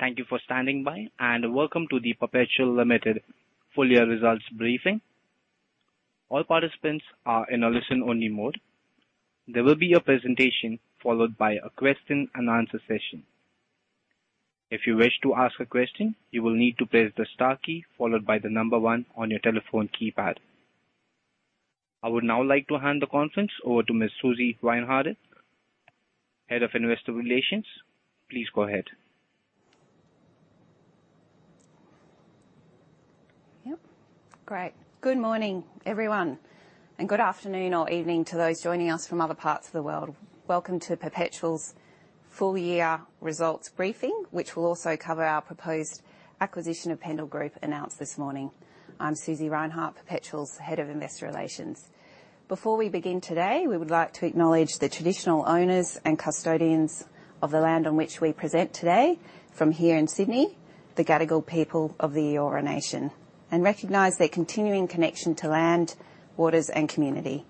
Thank you for standing by, and welcome to the Perpetual Limited full year results briefing. All participants are in a listen-only mode. There will be a presentation followed by a question and answer session. If you wish to ask a question, you will need to press the star key followed by the number one on your telephone keypad. I would now like to hand the conference over to Ms. Susie Reinhardt, Head of Investor Relations. Please go ahead. Yep. Great. Good morning, everyone, and good afternoon or evening to those joining us from other parts of the world. Welcome to Perpetual's full year results briefing, which will also cover our proposed acquisition of Pendal Group announced this morning. I'm Susie Reinhardt, Perpetual's Head of Investor Relations. Before we begin today, we would like to acknowledge the traditional owners and custodians of the land on which we present today from here in Sydney, the Gadigal people of the Eora Nation, and recognize their continuing connection to land, waters, and community.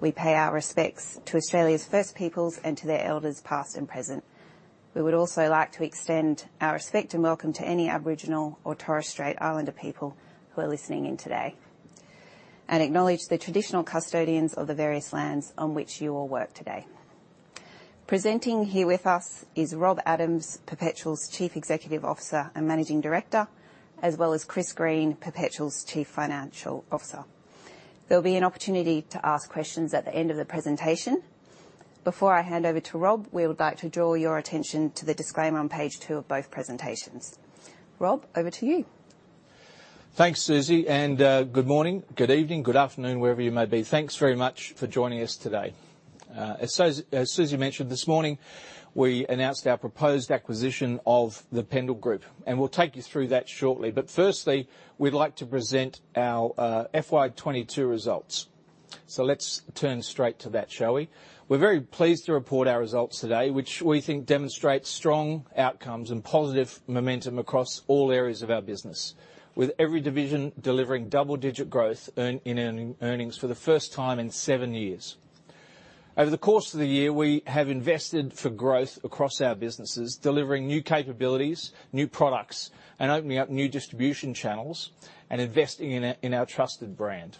We pay our respects to Australia's first peoples and to their elders, past and present. We would also like to extend our respect and welcome to any Aboriginal or Torres Strait Islander people who are listening in today, and acknowledge the traditional custodians of the various lands on which you all work today. Presenting here with us is Rob Adams, Perpetual's Chief Executive Officer and Managing Director, as well as Chris Green, Perpetual's Chief Financial Officer. There'll be an opportunity to ask questions at the end of the presentation. Before I hand over to Rob, we would like to draw your attention to the disclaimer on page two of both presentations. Rob, over to you. Thanks, Susie, and good morning, good evening, good afternoon, wherever you may be. Thanks very much for joining us today. As Susie mentioned this morning, we announced our proposed acquisition of the Pendal Group, and we'll take you through that shortly. Firstly, we'd like to present our FY 2022 results. Let's turn straight to that, shall we? We're very pleased to report our results today, which we think demonstrates strong outcomes and positive momentum across all areas of our business, with every division delivering double-digit growth in earnings for the first time in seven years. Over the course of the year, we have invested for growth across our businesses, delivering new capabilities, new products, and opening up new distribution channels and investing in our trusted brand.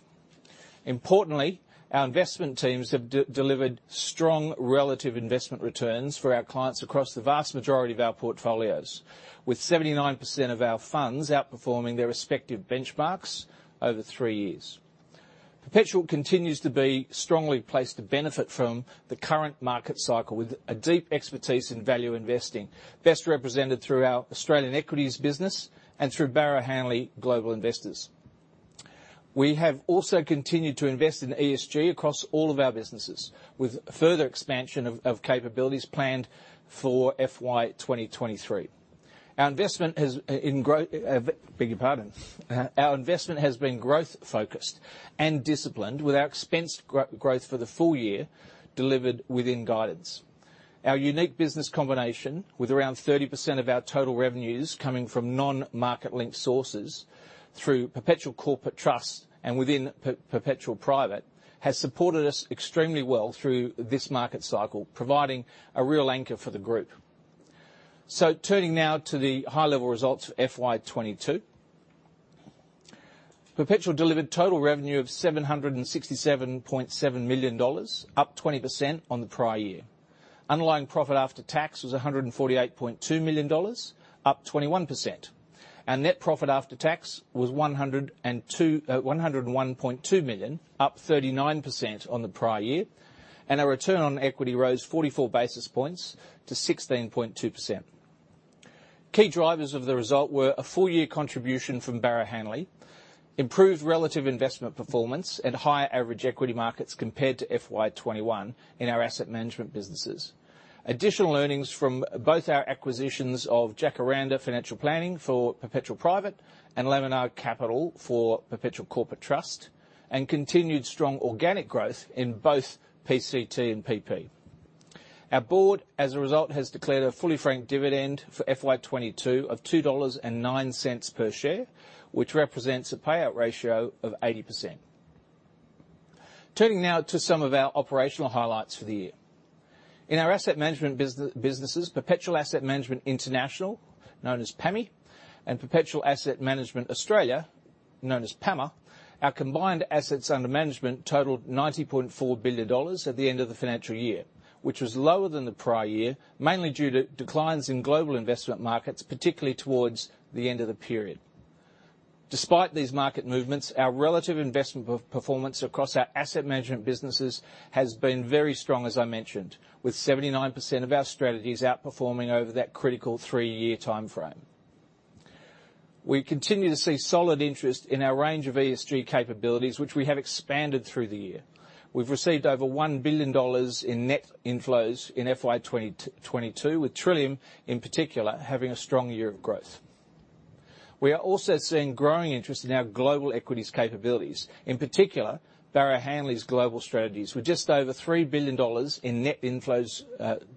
Importantly, our investment teams have delivered strong relative investment returns for our clients across the vast majority of our portfolios, with 79% of our funds outperforming their respective benchmarks over three years. Perpetual continues to be strongly placed to benefit from the current market cycle with a deep expertise in value investing, best represented through our Australian Equities business and through Barrow Hanley Global Investors. We have also continued to invest in ESG across all of our businesses, with further expansion of capabilities planned for FY 2023. Our investment has been growth-focused and disciplined with our expense growth for the full year delivered within guidance. Our unique business combination, with around 30% of our total revenues coming from non-market-linked sources through Perpetual Corporate Trust and within Perpetual Private, has supported us extremely well through this market cycle, providing a real anchor for the group. Turning now to the high-level results for FY 2022. Perpetual delivered total revenue of 767.7 million dollars, up 20% on the prior year. Underlying profit after tax was 148.2 million dollars, up 21%. Our net profit after tax was 101.2 million, up 39% on the prior year. Our return on equity rose 44 basis points to 16.2%. Key drivers of the result were a full year contribution from Barrow Hanley, improved relative investment performance, and higher average equity markets compared to FY 2021 in our asset management businesses. Additional earnings from both our acquisitions of Jacaranda Financial Planning for Perpetual Private and Laminar Capital for Perpetual Corporate Trust, and continued strong organic growth in both PCT and PP. Our board, as a result, has declared a fully franked dividend for FY 2022 of 2.09 dollars per share, which represents a payout ratio of 80%. Turning now to some of our operational highlights for the year. In our asset management businesses, Perpetual Asset Management International, known as PAMI, and Perpetual Asset Management Australia, known as PAMA, our combined assets under management totaled 90.4 billion dollars at the end of the financial year, which was lower than the prior year, mainly due to declines in global investment markets, particularly towards the end of the period. Despite these market movements, our relative investment performance across our asset management businesses has been very strong, as I mentioned, with 79% of our strategies outperforming over that critical three-year timeframe. We continue to see solid interest in our range of ESG capabilities, which we have expanded through the year. We've received over 1 billion dollars in net inflows in FY 2022, with Trillium in particular having a strong year of growth. We are also seeing growing interest in our global equities capabilities, in particular, Barrow Hanley's global strategies, with just over 3 billion dollars in net inflows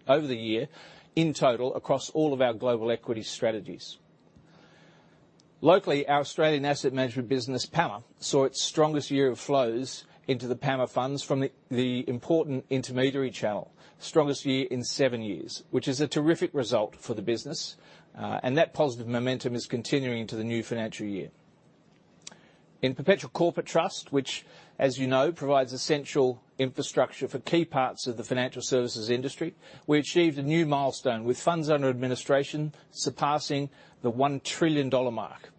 over the year in total across all of our global equity strategies. Locally, our Australian asset management business, PAMA, saw its strongest year of flows into the PAMA funds from the important intermediary channel. Strongest year in seven years, which is a terrific result for the business. That positive momentum is continuing to the new financial year. In Perpetual Corporate Trust, which as you know, provides essential infrastructure for key parts of the financial services industry, we achieved a new milestone with funds under administration surpassing the 1 trillion dollar mark.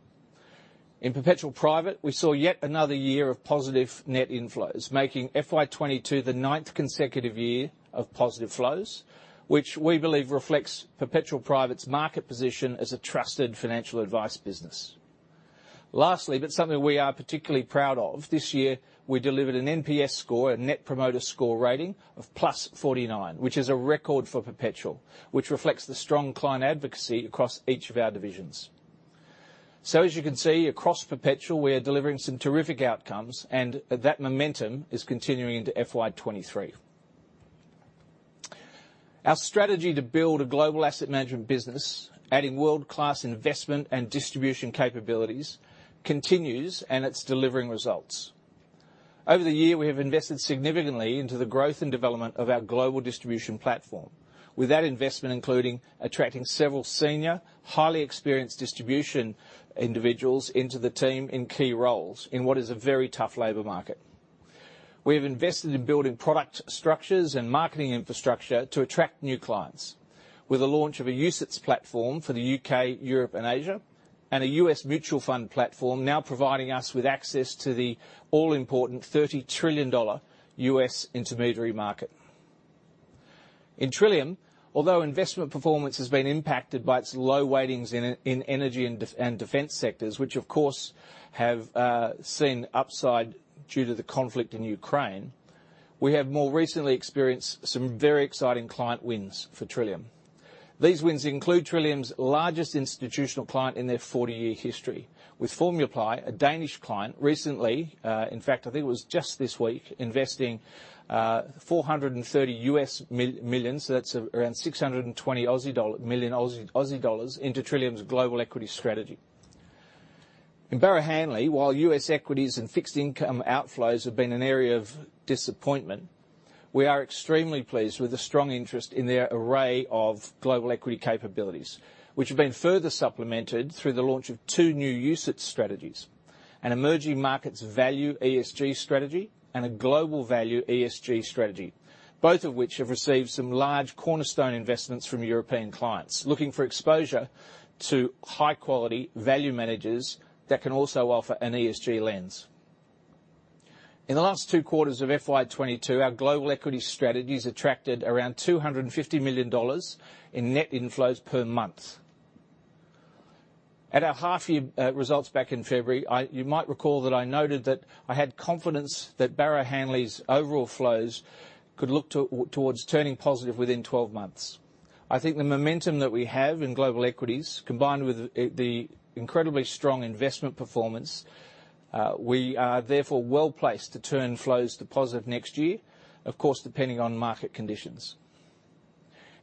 In Perpetual Private, we saw yet another year of positive net inflows, making FY 2022 the ninth consecutive year of positive flows, which we believe reflects Perpetual Private's market position as a trusted financial advice business. Lastly, but something we are particularly proud of, this year we delivered an NPS score, a net promoter score rating of +49, which is a record for Perpetual, which reflects the strong client advocacy across each of our divisions. As you can see, across Perpetual we're delivering some terrific outcomes, and that momentum is continuing into FY 2023. Our strategy to build a global asset management business, adding world-class investment and distribution capabilities continues, and it's delivering results. Over the year, we have invested significantly into the growth and development of our global distribution platform. With that investment including attracting several senior, highly experienced distribution individuals into the team in key roles in what is a very tough labor market. We have invested in building product structures and marketing infrastructure to attract new clients. With the launch of a UCITS platform for the U.K., Europe, and Asia, and a U.S. mutual fund platform now providing us with access to the all-important $30 trillion U.S. intermediary market. In Trillium, although investment performance has been impacted by its low weightings in energy and defense sectors, which of course have seen upside due to the conflict in Ukraine, we have more recently experienced some very exciting client wins for Trillium. These wins include Trillium's largest institutional client in their 40-year history, with Formuepleje, a Danish client recently, in fact, I think it was just this week, investing $430 million, so that's around 620 million Aussie dollars into Trillium's global equity strategy. In Barrow Hanley, while U.S. equities and fixed income outflows have been an area of disappointment, we are extremely pleased with the strong interest in their array of global equity capabilities, which have been further supplemented through the launch of two new UCITS strategies, an emerging markets value ESG strategy and a global value ESG strategy. Both of which have received some large cornerstone investments from European clients looking for exposure to high quality value managers that can also offer an ESG lens. In the last two quarters of FY 2022, our global equity strategies attracted around 250 million dollars in net inflows per month. At our half year results back in February, you might recall that I noted that I had confidence that Barrow Hanley's overall flows could look towards turning positive within 12 months. I think the momentum that we have in global equities, combined with the incredibly strong investment performance, we are therefore well-placed to turn flows to positive next year, of course, depending on market conditions.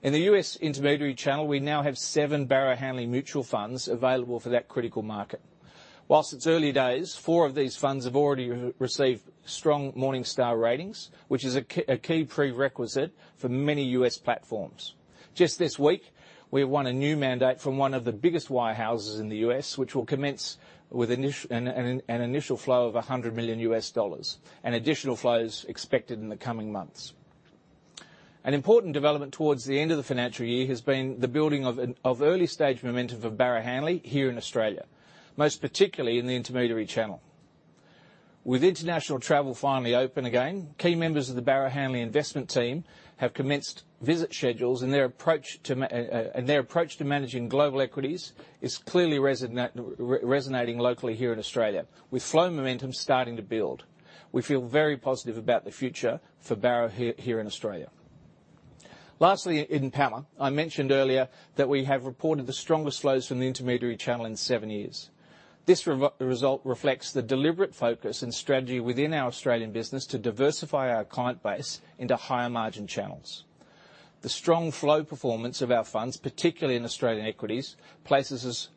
In the U.S. intermediary channel, we now have seven Barrow Hanley mutual funds available for that critical market. While it's early days, four of these funds have already received strong Morningstar ratings, which is a key prerequisite for many U.S. platforms. Just this week, we won a new mandate from one of the biggest wirehouses in the U.S., which will commence with an initial flow of $100 million and additional flows expected in the coming months. An important development towards the end of the financial year has been the building of early stage momentum of Barrow Hanley here in Australia, most particularly in the intermediary channel. With international travel finally open again, key members of the Barrow Hanley investment team have commenced visit schedules, and their approach to managing global equities is clearly resonating locally here in Australia, with flow momentum starting to build. We feel very positive about the future for Barrow here in Australia. Lastly, in PAMA, I mentioned earlier that we have reported the strongest flows from the intermediary channel in seven years. This result reflects the deliberate focus and strategy within our Australian business to diversify our client base into higher margin channels. The strong flow performance of our funds, particularly in Australian equities, places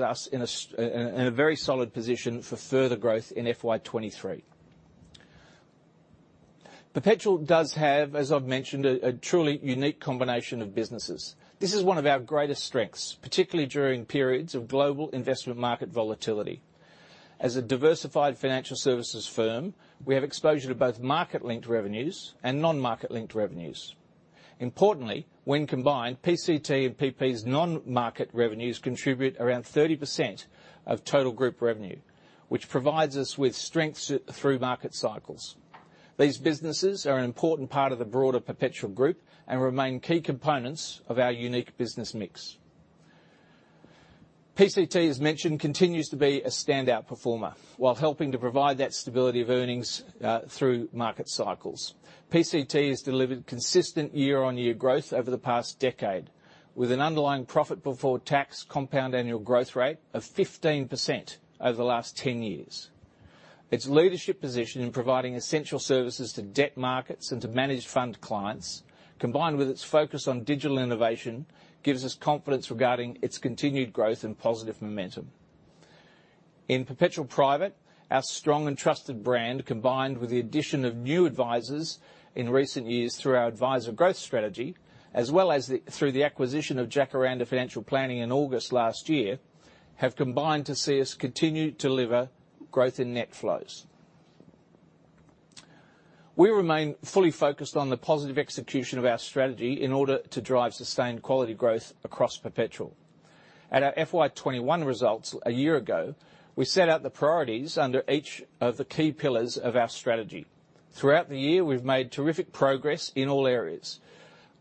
us in a very solid position for further growth in FY 2023. Perpetual does have, as I've mentioned, a truly unique combination of businesses. This is one of our greatest strengths, particularly during periods of global investment market volatility. As a diversified financial services firm, we have exposure to both market-linked revenues and non-market-linked revenues. Importantly, when combined, PCT and PP's non-market revenues contribute around 30% of total group revenue, which provides us with strength through market cycles. These businesses are an important part of the broader Perpetual Group and remain key components of our unique business mix. PCT, as mentioned, continues to be a standout performer while helping to provide that stability of earnings through market cycles. PCT has delivered consistent year-on-year growth over the past decade with an underlying profit before tax compound annual growth rate of 15% over the last 10 years. Its leadership position in providing essential services to debt markets and to managed fund clients, combined with its focus on digital innovation, gives us confidence regarding its continued growth and positive momentum. In Perpetual Private, our strong and trusted brand, combined with the addition of new advisors in recent years through our advisor growth strategy, as well as through the acquisition of Jacaranda Financial Planning in August last year, have combined to see us continue to deliver growth in net flows. We remain fully focused on the positive execution of our strategy in order to drive sustained quality growth across Perpetual. At our FY 2021 results a year ago, we set out the priorities under each of the key pillars of our strategy. Throughout the year, we've made terrific progress in all areas.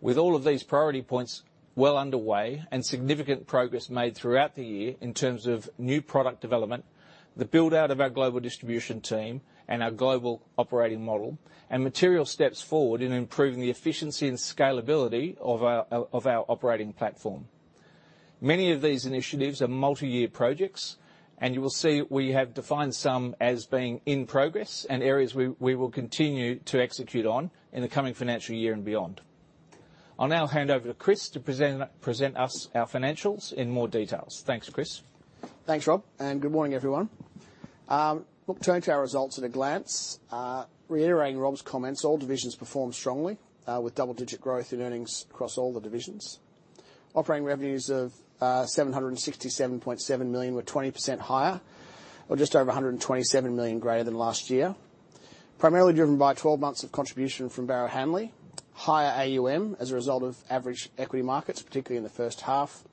With all of these priority points well underway and significant progress made throughout the year in terms of new product development, the build-out of our global distribution team and our global operating model, and material steps forward in improving the efficiency and scalability of our operating platform. Many of these initiatives are multi-year projects, and you will see we have defined some as being in progress and areas we will continue to execute on in the coming financial year and beyond. I'll now hand over to Chris to present us our financials in more details. Thanks, Chris. Thanks, Rob, and good morning, everyone. Look, turning to our results at a glance, reiterating Rob's comments, all divisions performed strongly, with double-digit growth in earnings across all the divisions. Operating revenues of 767.7 million were 20% higher or just over 127 million greater than last year. Primarily driven by 12 months of contribution from Barrow Hanley, higher AUM as a result of average equity markets, particularly in the first half,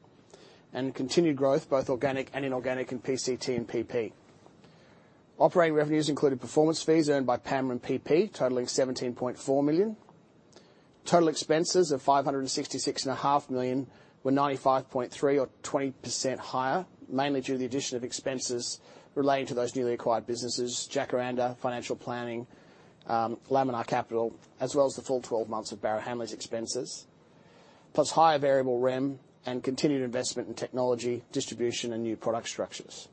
and continued growth, both organic and inorganic in PCT and PP. Operating revenues included performance fees earned by PAM and PP, totaling 17.4 million. Total expenses of 566.5 million were 95.3 million or 20% higher, mainly due to the addition of expenses relating to those newly acquired businesses, Jacaranda Financial Planning, Laminar Capital, as well as the full 12 months of Barrow Hanley's expenses, plus higher variable REM and continued investment in technology, distribution, and new product structures.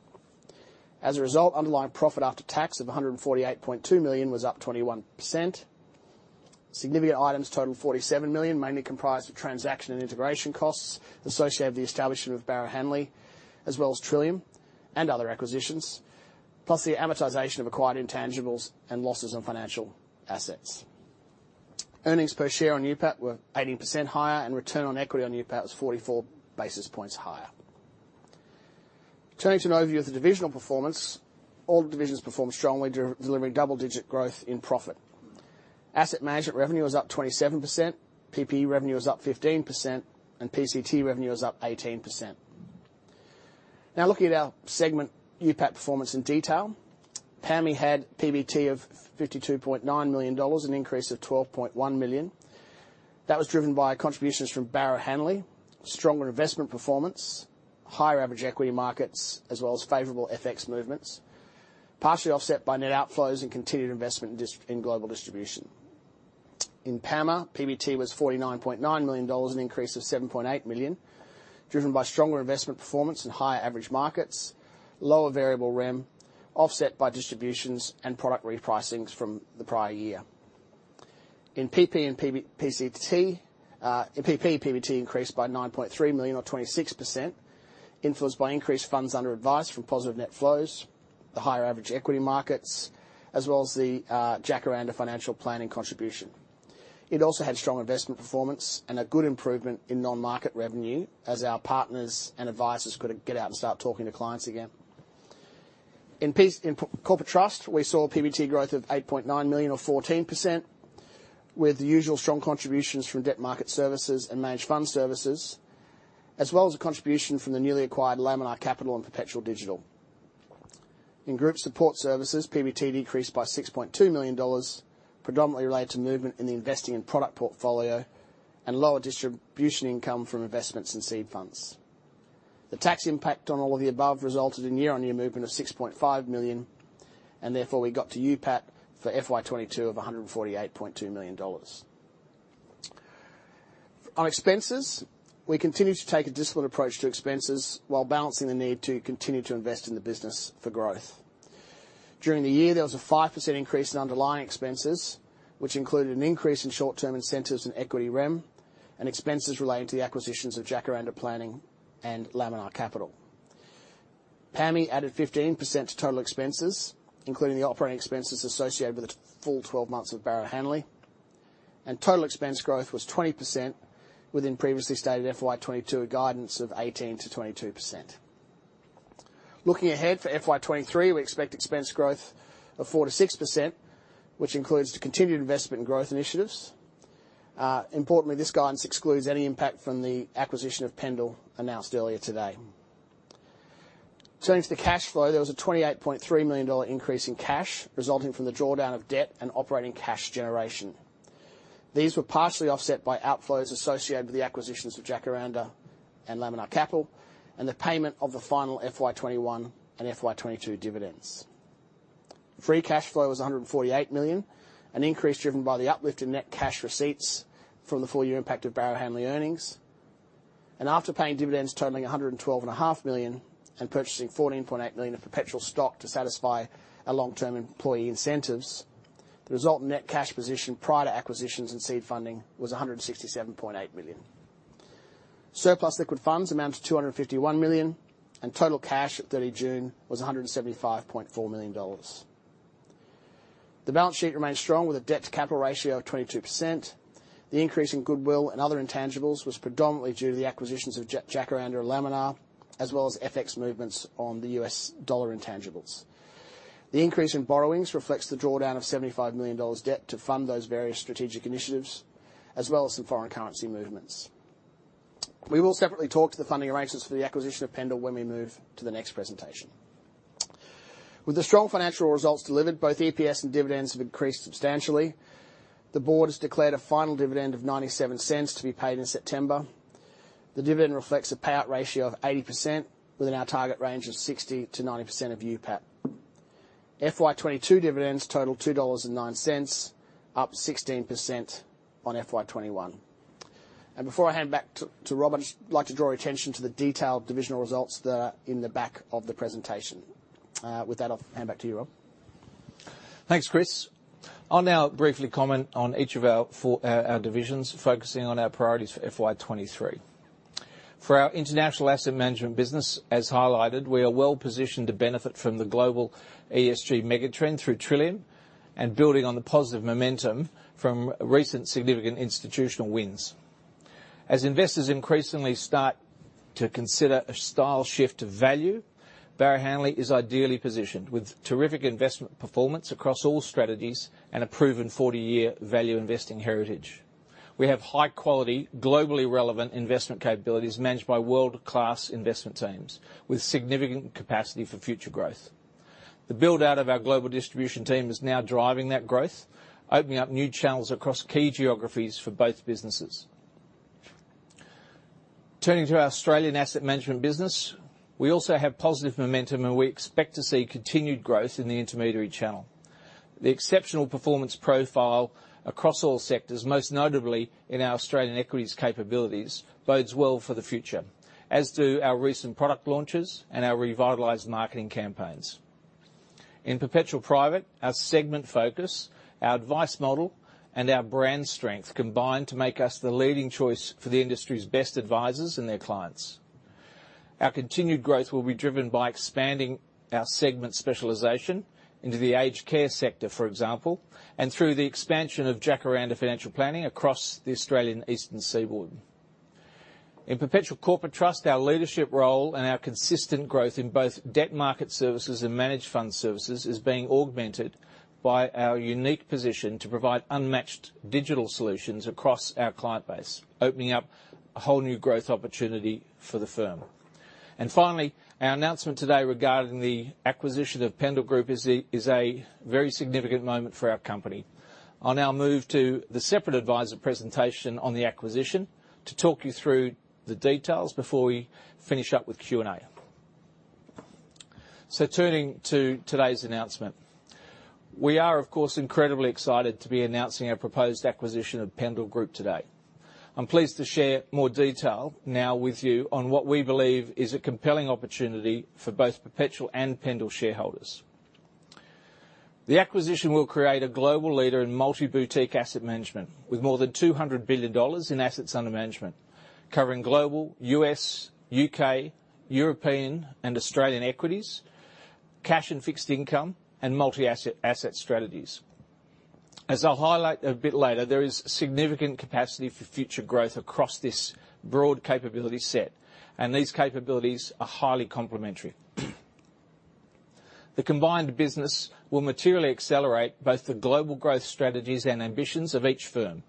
As a result, underlying profit after tax of 148.2 million was up 21%. Significant items total 47 million, mainly comprised of transaction and integration costs associated with the establishment of Barrow Hanley, as well as Trillium and other acquisitions, plus the amortization of acquired intangibles and losses on financial assets. Earnings per share on UPAT were 18% higher and return on equity on UPAT was 44 basis points higher. Turning to an overview of the divisional performance, all the divisions performed strongly, delivering double-digit growth in profit. Asset management revenue was up 27%, PP revenue was up 15%, and PCT revenue was up 18%. Now looking at our segment UPAT performance in detail. PAMI had PBT of 52.9 million dollars, an increase of 12.1 million. That was driven by contributions from Barrow Hanley, stronger investment performance, higher average equity markets, as well as favorable FX movements, partially offset by net outflows and continued investment in global distribution. In PAMA, PBT was 49.9 million dollars, an increase of 7.8 million, driven by stronger investment performance in higher average markets, lower variable REM, offset by distributions and product repricings from the prior year. In PP, PBT increased by 9.3 million or 26%, influenced by increased funds under advice from positive net flows, the higher average equity markets, as well as the Jacaranda Financial Planning contribution. It also had strong investment performance and a good improvement in non-market revenue as our partners and advisors could get out and start talking to clients again. In corporate trust, we saw PBT growth of 8.9 million or 14%, with the usual strong contributions from debt market services and managed fund services, as well as a contribution from the newly acquired Laminar Capital and Perpetual Digital. In group support services, PBT decreased by 6.2 million dollars, predominantly related to movement in the investing and product portfolio and lower distribution income from investments in seed funds. The tax impact on all of the above resulted in year-on-year movement of 6.5 million, and therefore we got to UPAT for FY 2022 of 148.2 million dollars. On expenses, we continue to take a disciplined approach to expenses while balancing the need to continue to invest in the business for growth. During the year, there was a 5% increase in underlying expenses, which included an increase in short-term incentives and equity REM and expenses relating to the acquisitions of Jacaranda Financial Planning and Laminar Capital. PAMI added 15% to total expenses, including the operating expenses associated with full twelve months of Barrow Hanley. Total expense growth was 20% within previously stated FY 2022 guidance of 18%-22%. Looking ahead for FY 2023, we expect expense growth of 4%-6%, which includes the continued investment in growth initiatives. Importantly, this guidance excludes any impact from the acquisition of Pendal announced earlier today. Turning to the cash flow, there was an 28.3 million dollar increase in cash resulting from the drawdown of debt and operating cash generation. These were partially offset by outflows associated with the acquisitions of Jacaranda and Laminar Capital and the payment of the final FY 2021 and FY 2022 dividends. Free cash flow was 148 million, an increase driven by the uplift in net cash receipts from the full year impact of Barrow Hanley earnings. After paying dividends totaling 112.5 million and purchasing 14.8 million of Perpetual stock to satisfy our long-term employee incentives, the resulting net cash position prior to acquisitions and seed funding was 167.8 million. Surplus liquid funds amount to 251 million, and total cash at June 30 was 175.4 million dollars. The balance sheet remains strong with a debt to capital ratio of 22%. The increase in goodwill and other intangibles was predominantly due to the acquisitions of Jacaranda and Laminar, as well as FX movements on the U.S. dollar intangibles. The increase in borrowings reflects the drawdown of 75 million dollars debt to fund those various strategic initiatives, as well as some foreign currency movements. We will separately talk to the funding arrangements for the acquisition of Pendal when we move to the next presentation. With the strong financial results delivered, both EPS and dividends have increased substantially. The board has declared a final dividend of 0.97 to be paid in September. The dividend reflects a payout ratio of 80% within our target range of 60%-90% of UPAT. FY 2022 dividends total AUD 2.09, up 16% on FY 2021. Before I hand back to Rob, I'd just like to draw your attention to the detailed divisional results that are in the back of the presentation. With that, I'll hand back to you, Rob. Thanks, Chris. I'll now briefly comment on each of our four divisions, focusing on our priorities for FY 2023. For our international asset management business, as highlighted, we are well-positioned to benefit from the global ESG mega-trend through Trillium and building on the positive momentum from recent significant institutional wins. As investors increasingly start to consider a style shift of value, Barrow Hanley is ideally positioned with terrific investment performance across all strategies and a proven 40-year value investing heritage. We have high quality, globally relevant investment capabilities managed by world-class investment teams with significant capacity for future growth. The build-out of our global distribution team is now driving that growth, opening up new channels across key geographies for both businesses. Turning to our Australian asset management business, we also have positive momentum, and we expect to see continued growth in the intermediary channel. The exceptional performance profile across all sectors, most notably in our Australian equities capabilities, bodes well for the future, as do our recent product launches and our revitalized marketing campaigns. In Perpetual Private, our segment focus, our advice model, and our brand strength combine to make us the leading choice for the industry's best advisors and their clients. Our continued growth will be driven by expanding our segment specialization into the aged care sector, for example, and through the expansion of Jacaranda Financial Planning across the Australian Eastern Seaboard. In Perpetual Corporate Trust, our leadership role and our consistent growth in both debt market services and managed fund services is being augmented by our unique position to provide unmatched digital solutions across our client base, opening up a whole new growth opportunity for the firm. Finally, our announcement today regarding the acquisition of Pendal Group is a very significant moment for our company. I'll now move to the separate advisor presentation on the acquisition to talk you through the details before we finish up with Q&A. Turning to today's announcement. We are, of course, incredibly excited to be announcing our proposed acquisition of Pendal Group today. I'm pleased to share more detail now with you on what we believe is a compelling opportunity for both Perpetual and Pendal shareholders. The acquisition will create a global leader in multi-boutique asset management with more than 200 billion dollars in assets under management, covering global, U.S., U.K., European, and Australian equities, cash and fixed income, and multi-asset, asset strategies. As I'll highlight a bit later, there is significant capacity for future growth across this broad capability set, and these capabilities are highly complementary. The combined business will materially accelerate both the global growth strategies and ambitions of each firm,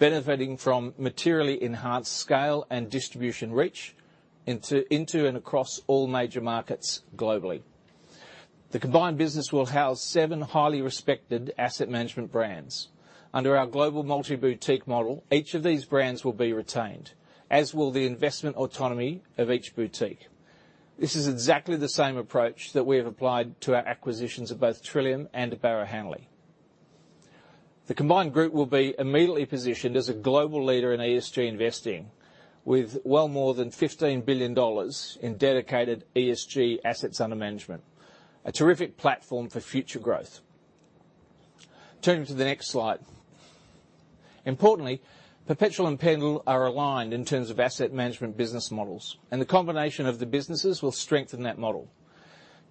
benefiting from materially enhanced scale and distribution reach into and across all major markets globally. The combined business will house seven highly respected asset management brands. Under our global multi-boutique model, each of these brands will be retained, as will the investment autonomy of each boutique. This is exactly the same approach that we have applied to our acquisitions of both Trillium and Barrow Hanley. The combined group will be immediately positioned as a global leader in ESG investing with well more than 15 billion dollars in dedicated ESG assets under management, a terrific platform for future growth. Turning to the next slide. Importantly, Perpetual and Pendal are aligned in terms of asset management business models, and the combination of the businesses will strengthen that model.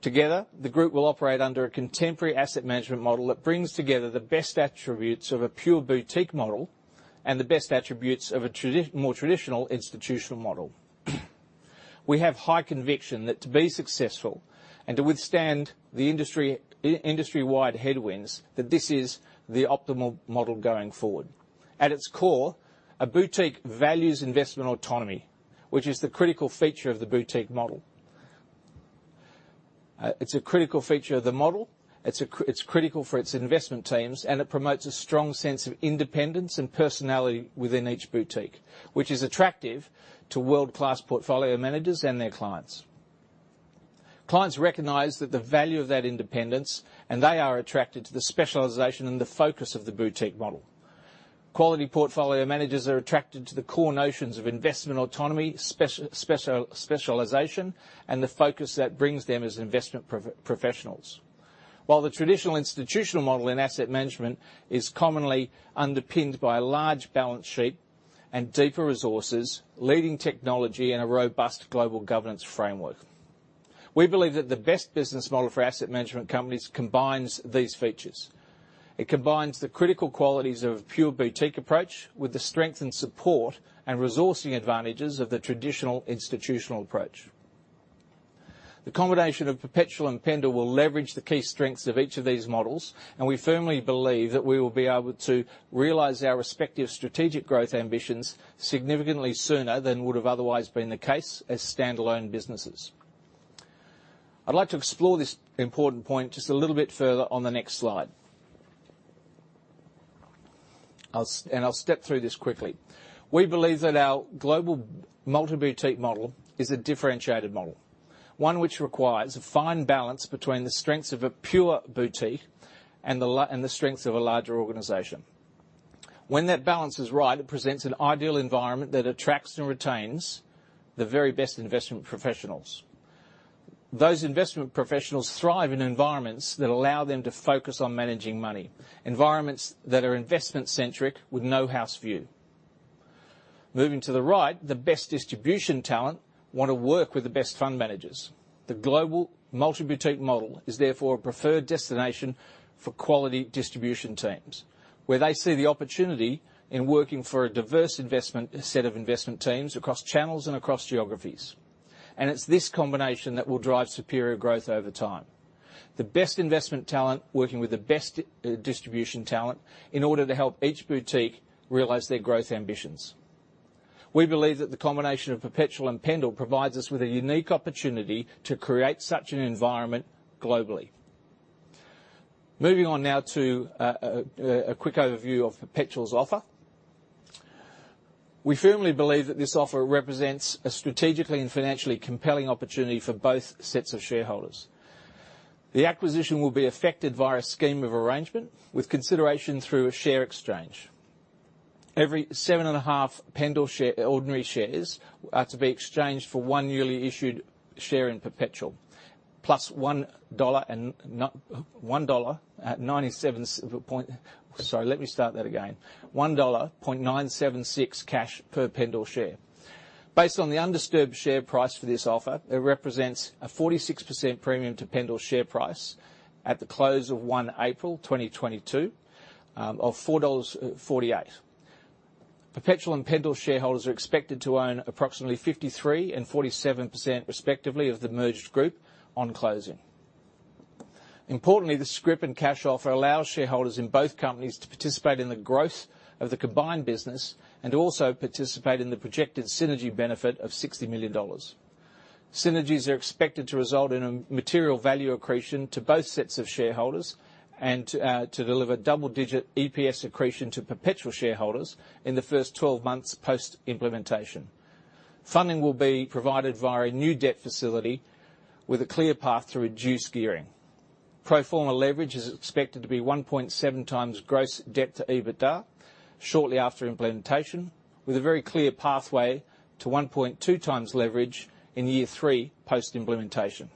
Together, the group will operate under a contemporary asset management model that brings together the best attributes of a pure boutique model and the best attributes of a more traditional institutional model. We have high conviction that to be successful and to withstand the industry-wide headwinds, that this is the optimal model going forward. At its core, a boutique values investment autonomy, which is the critical feature of the boutique model. It's a critical feature of the model. It's critical for its investment teams, and it promotes a strong sense of independence and personality within each boutique, which is attractive to world-class portfolio managers and their clients. Clients recognize that the value of that independence, and they are attracted to the specialization and the focus of the boutique model. Quality portfolio managers are attracted to the core notions of investment autonomy, specialization, and the focus that brings them as investment professionals. While the traditional institutional model in asset management is commonly underpinned by a large balance sheet and deeper resources, leading technology and a robust global governance framework. We believe that the best business model for asset management companies combines these features. It combines the critical qualities of pure boutique approach with the strength and support and resourcing advantages of the traditional institutional approach. The combination of Perpetual and Pendal will leverage the key strengths of each of these models, and we firmly believe that we will be able to realize our respective strategic growth ambitions significantly sooner than would have otherwise been the case as standalone businesses. I'd like to explore this important point just a little bit further on the next slide. I'll step through this quickly. We believe that our global multi-boutique model is a differentiated model, one which requires a fine balance between the strengths of a pure boutique and the strengths of a larger organization. When that balance is right, it presents an ideal environment that attracts and retains the very best investment professionals. Those investment professionals thrive in environments that allow them to focus on managing money, environments that are investment-centric with no house view. Moving to the right, the best distribution talent want to work with the best fund managers. The global multi-boutique model is therefore a preferred destination for quality distribution teams, where they see the opportunity in working for a diverse investment, set of investment teams across channels and across geographies. It's this combination that will drive superior growth over time. The best investment talent working with the best distribution talent in order to help each boutique realize their growth ambitions. We believe that the combination of Perpetual and Pendal provides us with a unique opportunity to create such an environment globally. Moving on now to a quick overview of Perpetual's offer. We firmly believe that this offer represents a strategically and financially compelling opportunity for both sets of shareholders. The acquisition will be affected via a scheme of arrangement with consideration through a share exchange. Every 7.5 Pendal ordinary shares are to be exchanged for one newly issued share in Perpetual, plus 1.976 dollar cash per Pendal share. Based on the undisturbed share price for this offer, it represents a 46% premium to Pendal share price at the close of April 1 2022, of 4.48 dollars. Perpetual and Pendal shareholders are expected to own approximately 53% and 47%, respectively, of the merged group on closing. Importantly, the scrip and cash offer allows shareholders in both companies to participate in the growth of the combined business and also participate in the projected synergy benefit of 60 million dollars. Synergies are expected to result in a material value accretion to both sets of shareholders and to deliver double-digit EPS accretion to Perpetual shareholders in the first 12 months post-implementation. Funding will be provided via a new debt facility with a clear path to reduced gearing. Pro forma leverage is expected to be 1.7x gross debt to EBITDA shortly after implementation, with a very clear pathway to 1.2x leverage in year three post-implementation.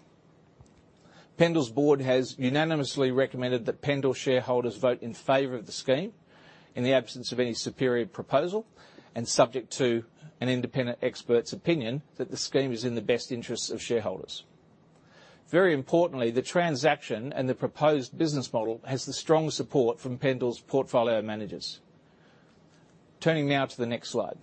Pendal's board has unanimously recommended that Pendal shareholders vote in favor of the scheme in the absence of any superior proposal and subject to an independent expert's opinion that the scheme is in the best interests of shareholders. Very importantly, the transaction and the proposed business model has the strong support from Pendal's portfolio managers. Turning now to the next slide.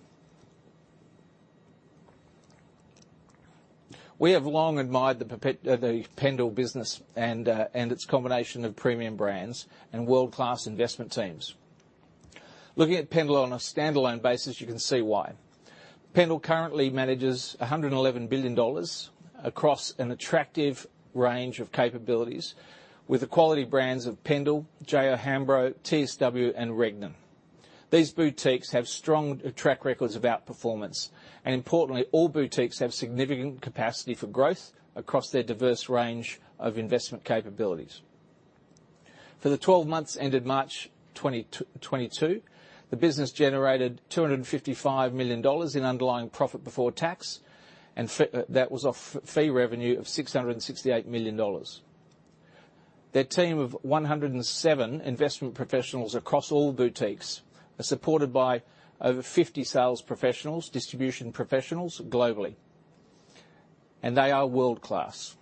We have long admired the Pendal business and its combination of premium brands and world-class investment teams. Looking at Pendal on a standalone basis, you can see why. Pendal currently manages 111 billion dollars across an attractive range of capabilities with the quality brands of Pendal, J O Hambro, TSW, and Regnan. These boutiques have strong track records of outperformance, and importantly, all boutiques have significant capacity for growth across their diverse range of investment capabilities. For the 12 months ended March 2022, the business generated 255 million dollars in underlying profit before tax, and that was off fee revenue of 668 million dollars. Their team of 107 investment professionals across all boutiques are supported by over 50 sales professionals, distribution professionals globally, and they are world-class.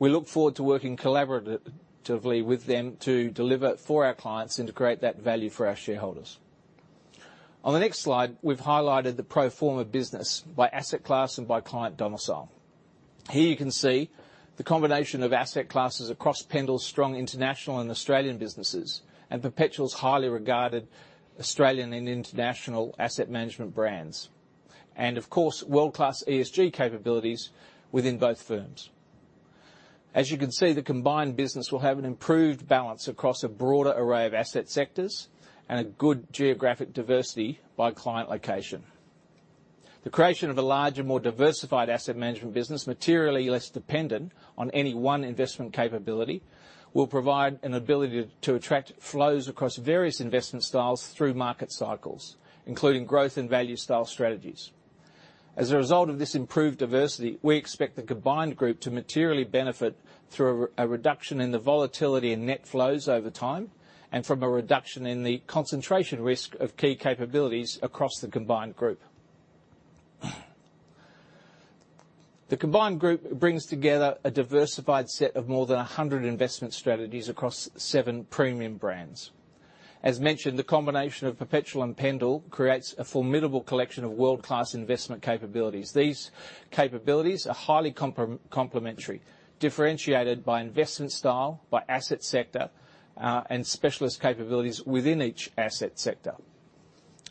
We look forward to working collaboratively with them to deliver for our clients and to create that value for our shareholders. On the next slide, we've highlighted the pro forma business by asset class and by client domicile. Here you can see the combination of asset classes across Pendal's strong international and Australian businesses and Perpetual's highly regarded Australian and international asset management brands and of course, world-class ESG capabilities within both firms. As you can see, the combined business will have an improved balance across a broader array of asset sectors and a good geographic diversity by client location. The creation of a larger, more diversified asset management business, materially less dependent on any one investment capability, will provide an ability to attract flows across various investment styles through market cycles, including growth and value style strategies. As a result of this improved diversity, we expect the combined group to materially benefit through a reduction in the volatility in net flows over time and from a reduction in the concentration risk of key capabilities across the combined group. The combined group brings together a diversified set of more than a hundred investment strategies across seven premium brands. As mentioned, the combination of Perpetual and Pendal creates a formidable collection of world-class investment capabilities. These capabilities are highly complementary, differentiated by investment style, by asset sector, and specialist capabilities within each asset sector.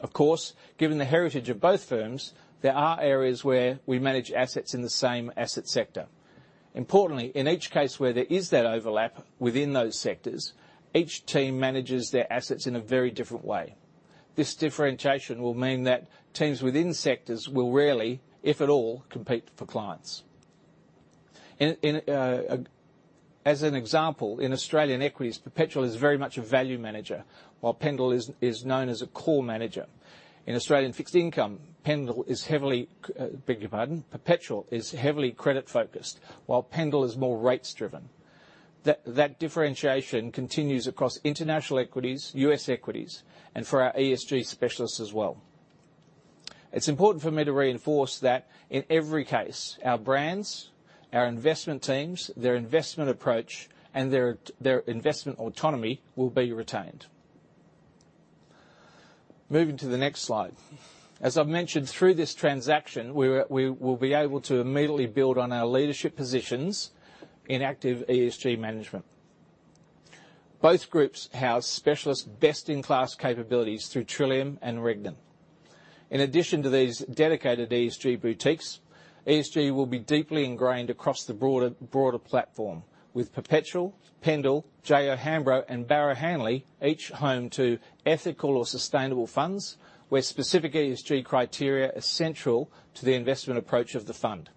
Of course, given the heritage of both firms, there are areas where we manage assets in the same asset sector. Importantly, in each case where there is that overlap within those sectors, each team manages their assets in a very different way. This differentiation will mean that teams within sectors will rarely, if at all, compete for clients. In as an example, in Australian equities, Perpetual is very much a value manager, while Pendal is known as a core manager. In Australian fixed income, Perpetual is heavily credit-focused, while Pendal is more rates-driven. That differentiation continues across international equities, U.S. equities, and for our ESG specialists as well. It's important for me to reinforce that in every case, our brands, our investment teams, their investment approach, and their investment autonomy will be retained. Moving to the next slide. As I've mentioned through this transaction, we are, we will be able to immediately build on our leadership positions in active ESG management. Both groups house specialist best-in-class capabilities through Trillium and Regnan. In addition to these dedicated ESG boutiques, ESG will be deeply ingrained across the broader platform with Perpetual, Pendal, J O Hambro. J.O. Hambro and Barrow Hanley, each home to ethical or sustainable funds, where specific ESG criteria are central to the investment approach of the fund,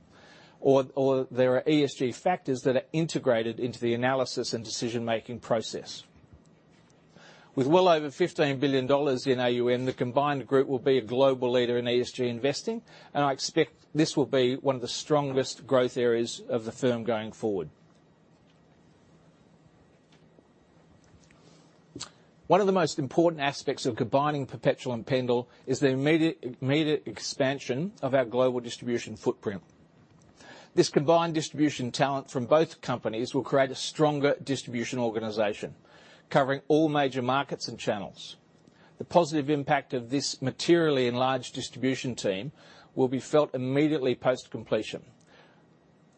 or there are ESG factors that are integrated into the analysis and decision-making process. With well over 15 billion dollars in AUM, the combined group will be a global leader in ESG investing, and I expect this will be one of the strongest growth areas of the firm going forward. One of the most important aspects of combining Perpetual and Pendal is the immediate expansion of our global distribution footprint. This combined distribution talent from both companies will create a stronger distribution organization covering all major markets and channels. The positive impact of this materially enlarged distribution team will be felt immediately post-completion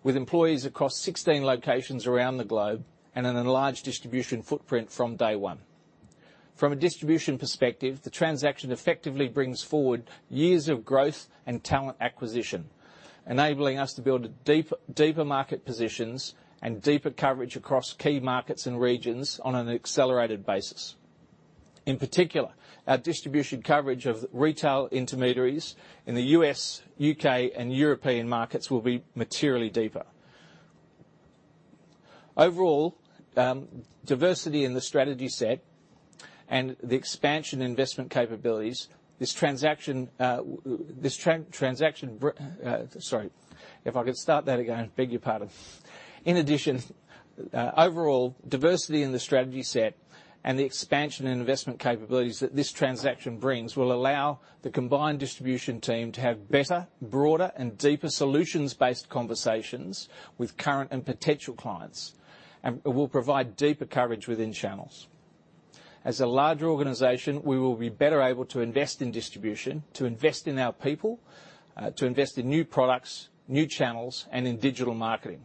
with employees across 16 locations around the globe and an enlarged distribution footprint from day one. From a distribution perspective, the transaction effectively brings forward years of growth and talent acquisition, enabling us to build deeper market positions and deeper coverage across key markets and regions on an accelerated basis. In particular, our distribution coverage of retail intermediaries in the U.S., U.K., and European markets will be materially deeper. In addition, overall, diversity in the strategy set and the expansion in investment capabilities that this transaction brings will allow the combined distribution team to have better, broader, and deeper solutions-based conversations with current and potential clients and will provide deeper coverage within channels. As a larger organization, we will be better able to invest in distribution, to invest in our people, to invest in new products, new channels, and in digital marketing.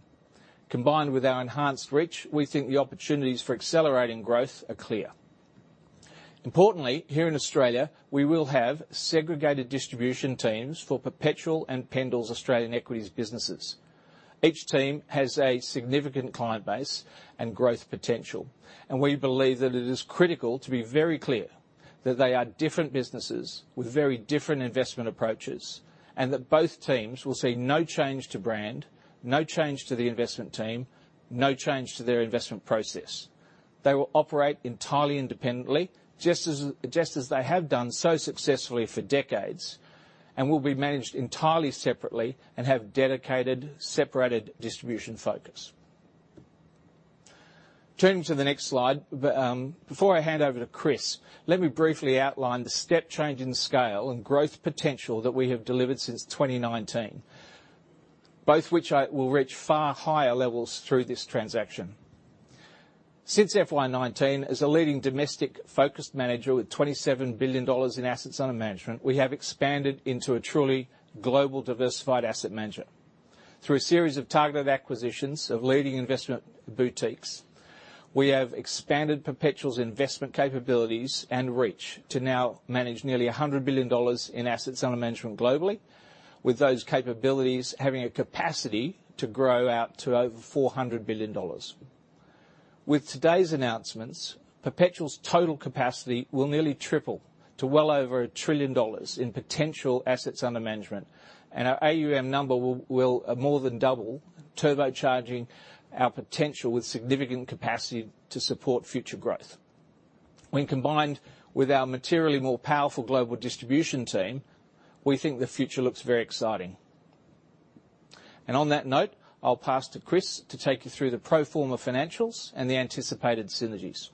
Combined with our enhanced reach, we think the opportunities for accelerating growth are clear. Importantly, here in Australia, we will have segregated distribution teams for Perpetual and Pendal's Australian equities businesses. Each team has a significant client base and growth potential, and we believe that it is critical to be very clear that they are different businesses with very different investment approaches, and that both teams will see no change to brand, no change to the investment team, no change to their investment process. They will operate entirely independently, just as they have done so successfully for decades, and will be managed entirely separately and have dedicated, separated distribution focus. Turning to the next slide. Before I hand over to Chris, let me briefly outline the step change in scale and growth potential that we have delivered since 2019 will reach far higher levels through this transaction. Since FY 2019, as a leading domestic-focused manager with 27 billion dollars in assets under management, we have expanded into a truly global diversified asset manager. Through a series of targeted acquisitions of leading investment boutiques. We have expanded Perpetual's investment capabilities and reach to now manage nearly 100 billion dollars in assets under management globally, with those capabilities having a capacity to grow out to over 400 billion dollars. With today's announcements, Perpetual's total capacity will nearly triple to well over 1 trillion dollars in potential assets under management. Our AUM number will more than double, turbocharging our potential with significant capacity to support future growth. When combined with our materially more powerful global distribution team, we think the future looks very exciting. On that note, I'll pass to Chris to take you through the pro forma financials and the anticipated synergies.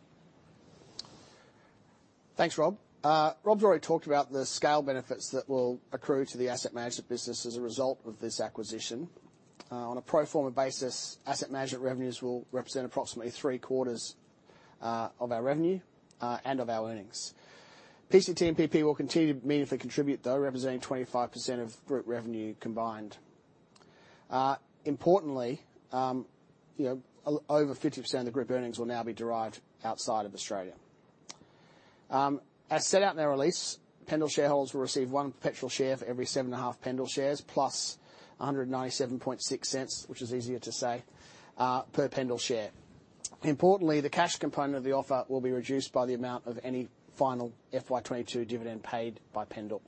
Thanks, Rob. Rob's already talked about the scale benefits that will accrue to the asset management business as a result of this acquisition. On a pro forma basis, asset management revenues will represent approximately three-quarters of our revenue and of our earnings. PCT and PP will continue to meaningfully contribute, though, representing 25% of group revenue combined. Importantly, you know, over 50% of the group earnings will now be derived outside of Australia. As set out in our release, Pendal shareholders will receive one Perpetual share for every seven and a half Pendal shares, plus 1.976, which is easier to say per Pendal share. Importantly, the cash component of the offer will be reduced by the amount of any final FY 2022 dividend paid by Pendal.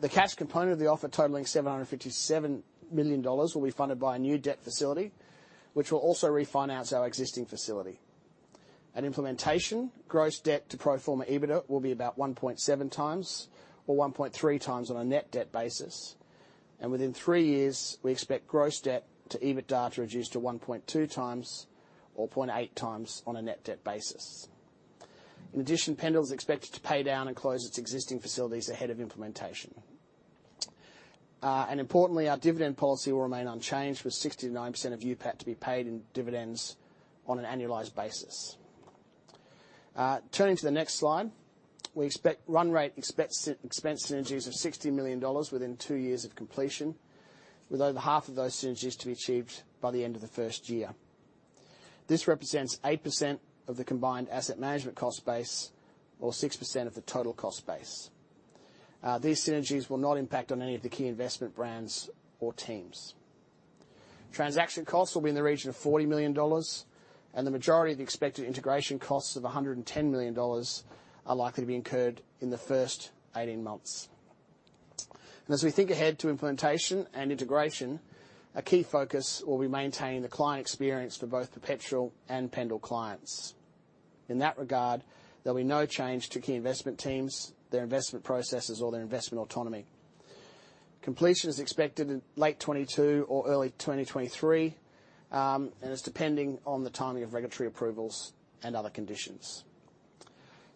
The cash component of the offer totaling 757 million dollars will be funded by a new debt facility, which will also refinance our existing facility. At implementation, gross debt to pro forma EBITDA will be about 1.7x or 1.3x on a net debt basis. Within three years, we expect gross debt to EBITDA to reduce to 1.2x or 0.8x on a net debt basis. In addition, Pendal is expected to pay down and close its existing facilities ahead of implementation. Importantly, our dividend policy will remain unchanged with 69% of UPAT to be paid in dividends on an annualized basis. Turning to the next slide. We expect run rate expense synergies of 60 million dollars within two years of completion, with over half of those synergies to be achieved by the end of the first year. This represents 8% of the combined asset management cost base or 6% of the total cost base. These synergies will not impact on any of the key investment brands or teams. Transaction costs will be in the region of 40 million dollars, and the majority of the expected integration costs of 110 million dollars are likely to be incurred in the first 18 months. As we think ahead to implementation and integration, a key focus will be maintaining the client experience for both Perpetual and Pendal clients. In that regard, there'll be no change to key investment teams, their investment processes or their investment autonomy. Completion is expected in late 2022 or early 2023, and it's depending on the timing of regulatory approvals and other conditions.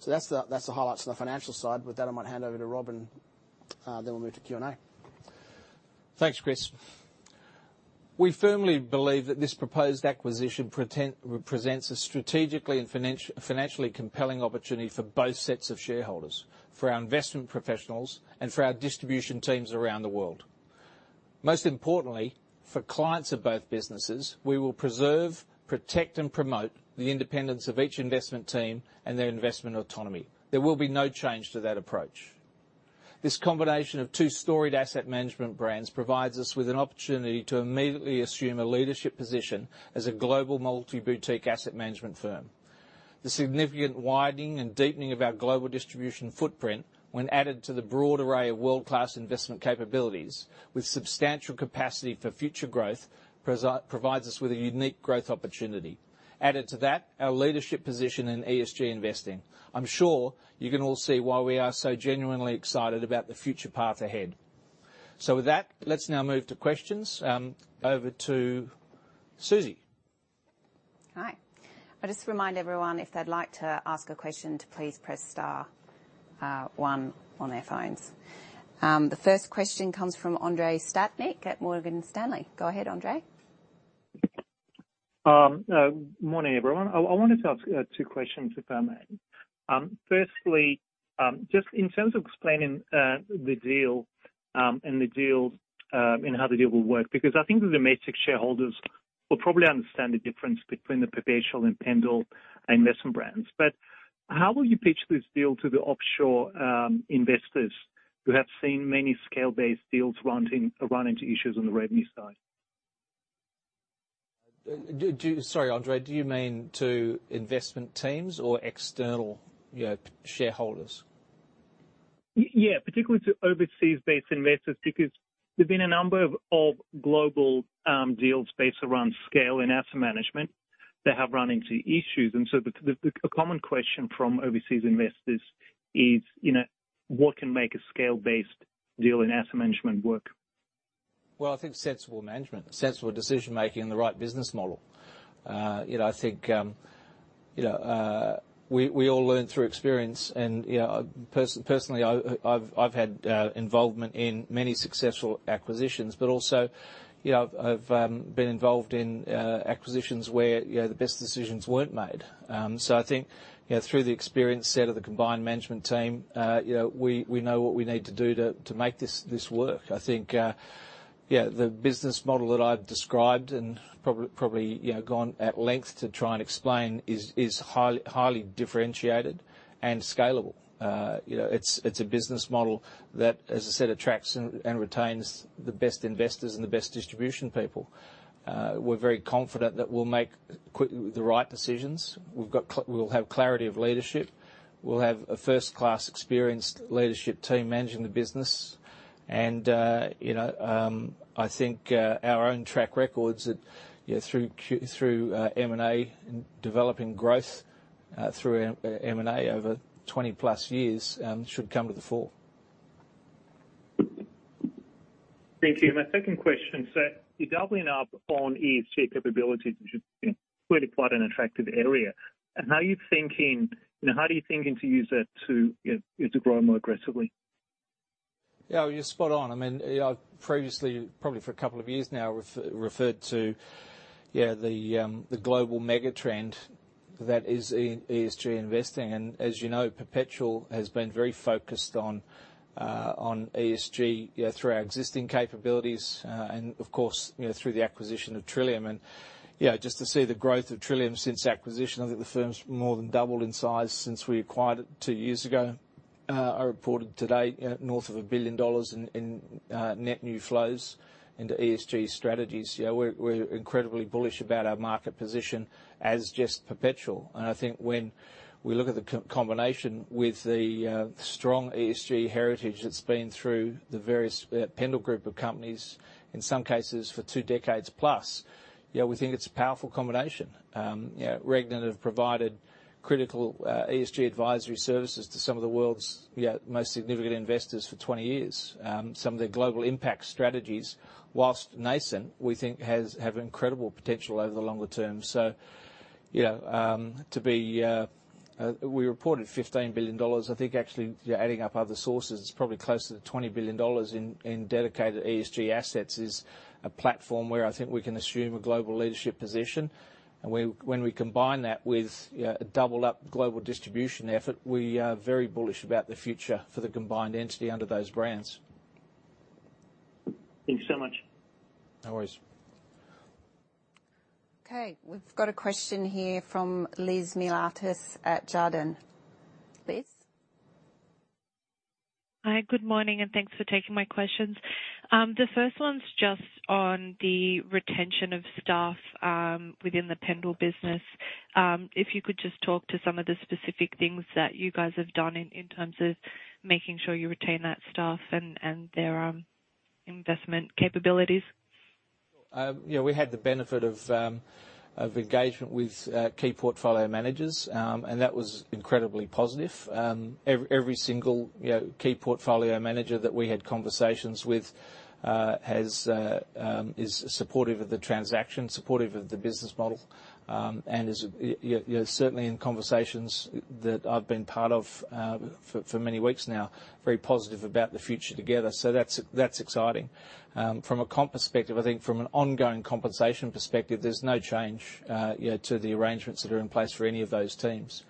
That's the highlights on the financial side. With that, I might hand over to Rob and then we'll move to Q&A. Thanks, Chris. We firmly believe that this proposed acquisition represents a strategically and financially compelling opportunity for both sets of shareholders, for our investment professionals and for our distribution teams around the world. Most importantly, for clients of both businesses, we will preserve, protect, and promote the independence of each investment team and their investment autonomy. There will be no change to that approach. This combination of two storied asset management brands provides us with an opportunity to immediately assume a leadership position as a global multi-boutique asset management firm. The significant widening and deepening of our global distribution footprint, when added to the broad array of world-class investment capabilities with substantial capacity for future growth, provides us with a unique growth opportunity. Added to that, our leadership position in ESG investing. I'm sure you can all see why we are so genuinely excited about the future path ahead. With that, let's now move to questions. Over to Susie. Hi. I'll just remind everyone if they'd like to ask a question to please press star one on their phones. The first question comes from Andrei Stadnik at Morgan Stanley. Go ahead, Andrei. Morning, everyone. I wanted to ask two questions, if I may. Firstly, just in terms of explaining the deal and how the deal will work, because I think the domestic shareholders will probably understand the difference between the Perpetual and Pendal investment brands. How will you pitch this deal to the offshore investors who have seen many scale-based deals run into issues on the revenue side? Sorry, Andrei, do you mean to investment teams or external, you know, shareholders? Yeah, particularly to overseas-based investors because there's been a number of global deals based around scale in asset management that have run into issues. A common question from overseas investors is, you know, what can make a scale-based deal in asset management work? Well, I think sensible management, sensible decision-making and the right business model. You know, I think, you know, we all learn through experience and, you know, personally, I've had involvement in many successful acquisitions, but also, you know, I've been involved in acquisitions where, you know, the best decisions weren't made. I think, you know, through the experience set of the combined management team, you know, we know what we need to do to make this work. I think, yeah, the business model that I've described and probably, you know, gone at length to try and explain is highly differentiated and scalable. You know, it's a business model that, as I said, attracts and retains the best investors and the best distribution people. We're very confident that we'll make the right decisions. We'll have clarity of leadership. We'll have a first-class experienced leadership team managing the business. You know, I think our own track records that you know through M&A and developing growth through M&A over 20+ years should come to the fore. Thank you. My second question: you're doubling up on ESG capabilities, which is, you know, clearly quite an attractive area. How are you thinking, you know, to use that to, you know, to grow more aggressively? Yeah, you're spot on. I mean, you know, I've previously, probably for a couple of years now, referred to, yeah, the global mega-trend that is ESG investing. As you know, Perpetual has been very focused on ESG, you know, through our existing capabilities, and of course, you know, through the acquisition of Trillium. Just to see the growth of Trillium since acquisition, I think the firm's more than doubled in size since we acquired it two years ago. We reported today north of 1 billion dollars in net new flows into ESG strategies. You know, we're incredibly bullish about our market position as just Perpetual. I think when we look at the combination with the strong ESG heritage that's been through the various Pendal Group companies, in some cases for two decades plus, you know, we think it's a powerful combination. You know, Regnan have provided critical ESG advisory services to some of the world's, you know, most significant investors for 20 years. Some of their global impact strategies, while nascent, we think have incredible potential over the longer term. You know, we reported 15 billion dollars. I think actually, if you're adding up other sources, it's probably closer to 20 billion dollars in dedicated ESG assets is a platform where I think we can assume a global leadership position. When we combine that with, you know, a doubled-up global distribution effort, we are very bullish about the future for the combined entity under those brands. Thank you so much. No worries. Okay, we've got a question here from Liz Miliatis at Jarden. Liz? Hi, good morning, and thanks for taking my questions. The first one's just on the retention of staff within the Pendal business. If you could just talk to some of the specific things that you guys have done in terms of making sure you retain that staff and their investment capabilities. You know, we had the benefit of engagement with key portfolio managers, and that was incredibly positive. Every single, you know, key portfolio manager that we had conversations with is supportive of the transaction, supportive of the business model. Is, you know, certainly in conversations that I've been part of for many weeks now, very positive about the future together. That's exciting. From a comp perspective, I think from an ongoing compensation perspective, there's no change, you know, to the arrangements that are in place for any of those teams.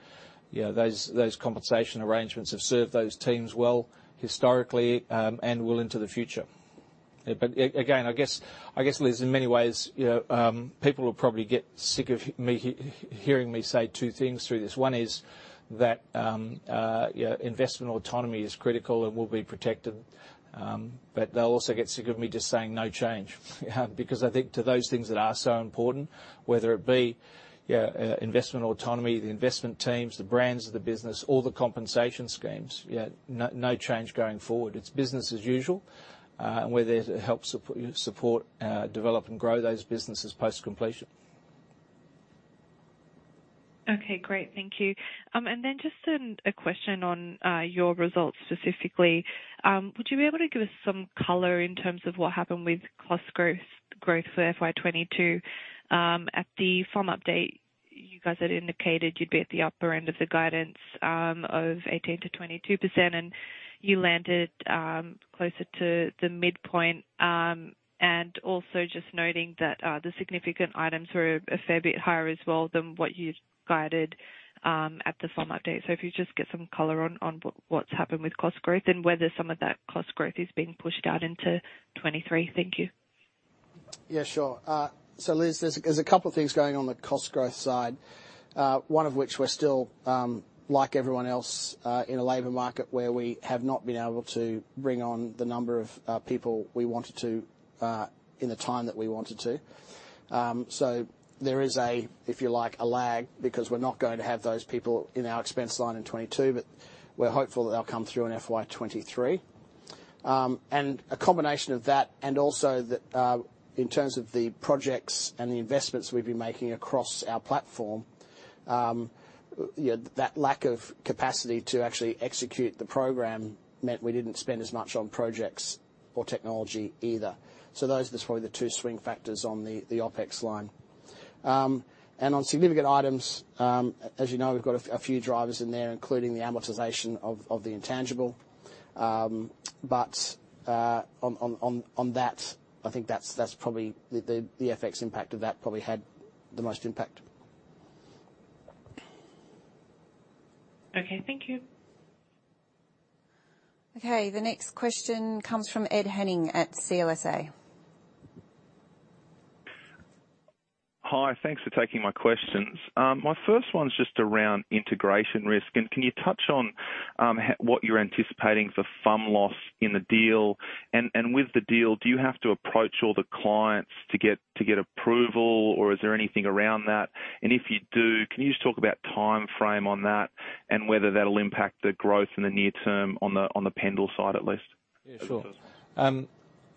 You know, those compensation arrangements have served those teams well historically, and will into the future. Again, I guess, Liz, in many ways, you know, people will probably get sick of me hearing me say two things through this. One is that, you know, investment autonomy is critical and will be protected. But they'll also get sick of me just saying no change, because I think to those things that are so important, whether it be, you know, investment autonomy, the investment teams, the brands of the business, or the compensation schemes, you know, no change going forward. It's business as usual, and we're there to help support, develop and grow those businesses post-completion. Okay, great. Thank you. Just a question on your results specifically. Would you be able to give us some color in terms of what happened with cost growth for FY 2022? At the FY update, you guys had indicated you'd be at the upper end of the guidance of 18%-22%, and you landed closer to the midpoint. Just noting that the significant items were a fair bit higher as well than what you'd guided at the FY update. If you just give some color on what's happened with cost growth and whether some of that cost growth is being pushed out into 2023. Thank you. Yeah, sure. Liz, there's a couple of things going on on the cost growth side. One of which we're still, like everyone else, in a labor market where we have not been able to bring on the number of people we wanted to, in the time that we wanted to. There is, if you like, a lag because we're not going to have those people in our expense line in 2022, but we're hopeful that they'll come through in FY 2023. A combination of that and also the, in terms of the projects and the investments we've been making across our platform, you know, that lack of capacity to actually execute the program meant we didn't spend as much on projects or technology either. Those are probably the two swing factors on the OpEx line. On significant items, as you know, we've got a few drivers in there, including the amortization of the intangible. On that, I think that's probably the FX impact of that probably had the most impact. Okay, thank you. Okay, the next question comes from Ed Henning at CLSA. Hi. Thanks for taking my questions. My first one is just around integration risk. Can you touch on what you're anticipating for FUM loss in the deal? With the deal, do you have to approach all the clients to get approval or is there anything around that? If you do, can you just talk about timeframe on that and whether that'll impact the growth in the near term on the Pendal side, at least? Yeah, sure.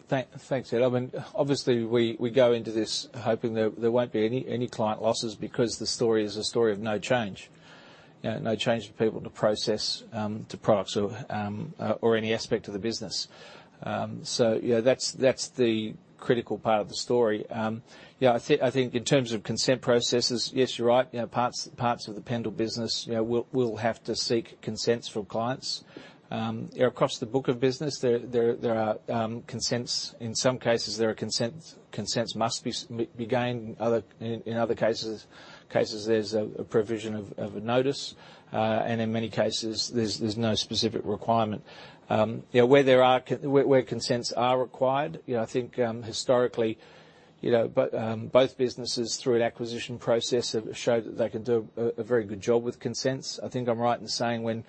Thanks, Ed. I mean, obviously, we go into this hoping there won't be any client losses because the story is a story of no change. You know, no change for people to process to products or any aspect of the business. Yeah, that's the critical part of the story. Yeah, I think in terms of consent processes, yes, you're right. You know, parts of the Pendal business, you know, will have to seek consents from clients. You know, across the book of business, there are consents. In some cases there are consents. Consents must be gained. In other cases, there's a provision of a notice. In many cases there's no specific requirement. You know, where consents are required, you know, I think historically, you know, both businesses through an acquisition process have showed that they can do a very good job with consents. I think I'm right in saying when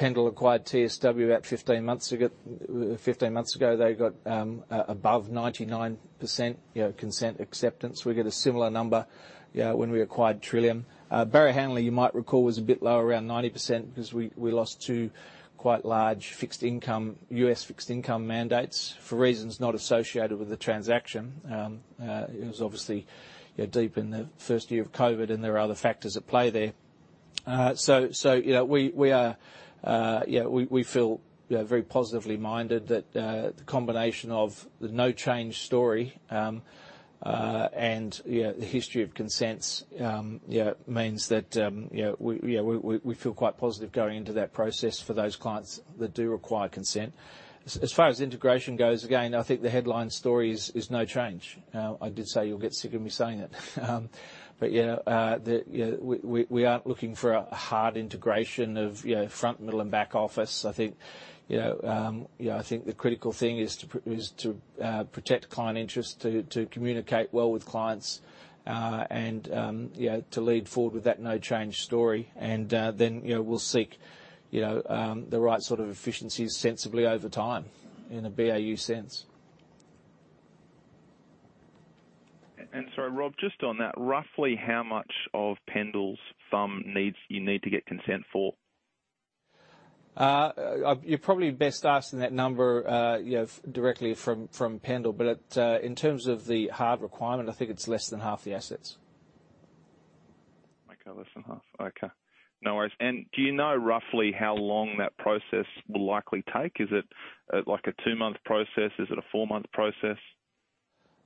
Pendal acquired TSW about 15 months ago, they got above 99%, you know, consent acceptance. We get a similar number, you know, when we acquired Trillium. Barrow Hanley, you might recall, was a bit lower, around 90%, because we lost two quite large fixed income U.S. fixed income mandates for reasons not associated with the transaction. It was obviously, you know, deep in the first year of COVID, and there are other factors at play there. You know, we feel very positively minded that the combination of the no change story and the history of consents means that you know, we feel quite positive going into that process for those clients that do require consent. As far as integration goes, again, I think the headline story is no change. I did say you'll get sick of me saying it. You know, we aren't looking for a hard integration of front, middle and back office. I think, you know, you know, I think the critical thing is to protect client interest, to communicate well with clients, and, you know, to lead forward with that no change story. Then, you know, we'll seek, you know, the right sort of efficiencies sensibly over time in a BAU sense. Sorry, Rob, just on that, roughly how much of Pendal's FUM you need to get consent for? You're probably best asking that number, you know, directly from Pendal. In terms of the hard requirement, I think it's less than half the assets. Okay, less than half. Okay, no worries. Do you know roughly how long that process will likely take? Is it, like a two-month process? Is it a four-month process?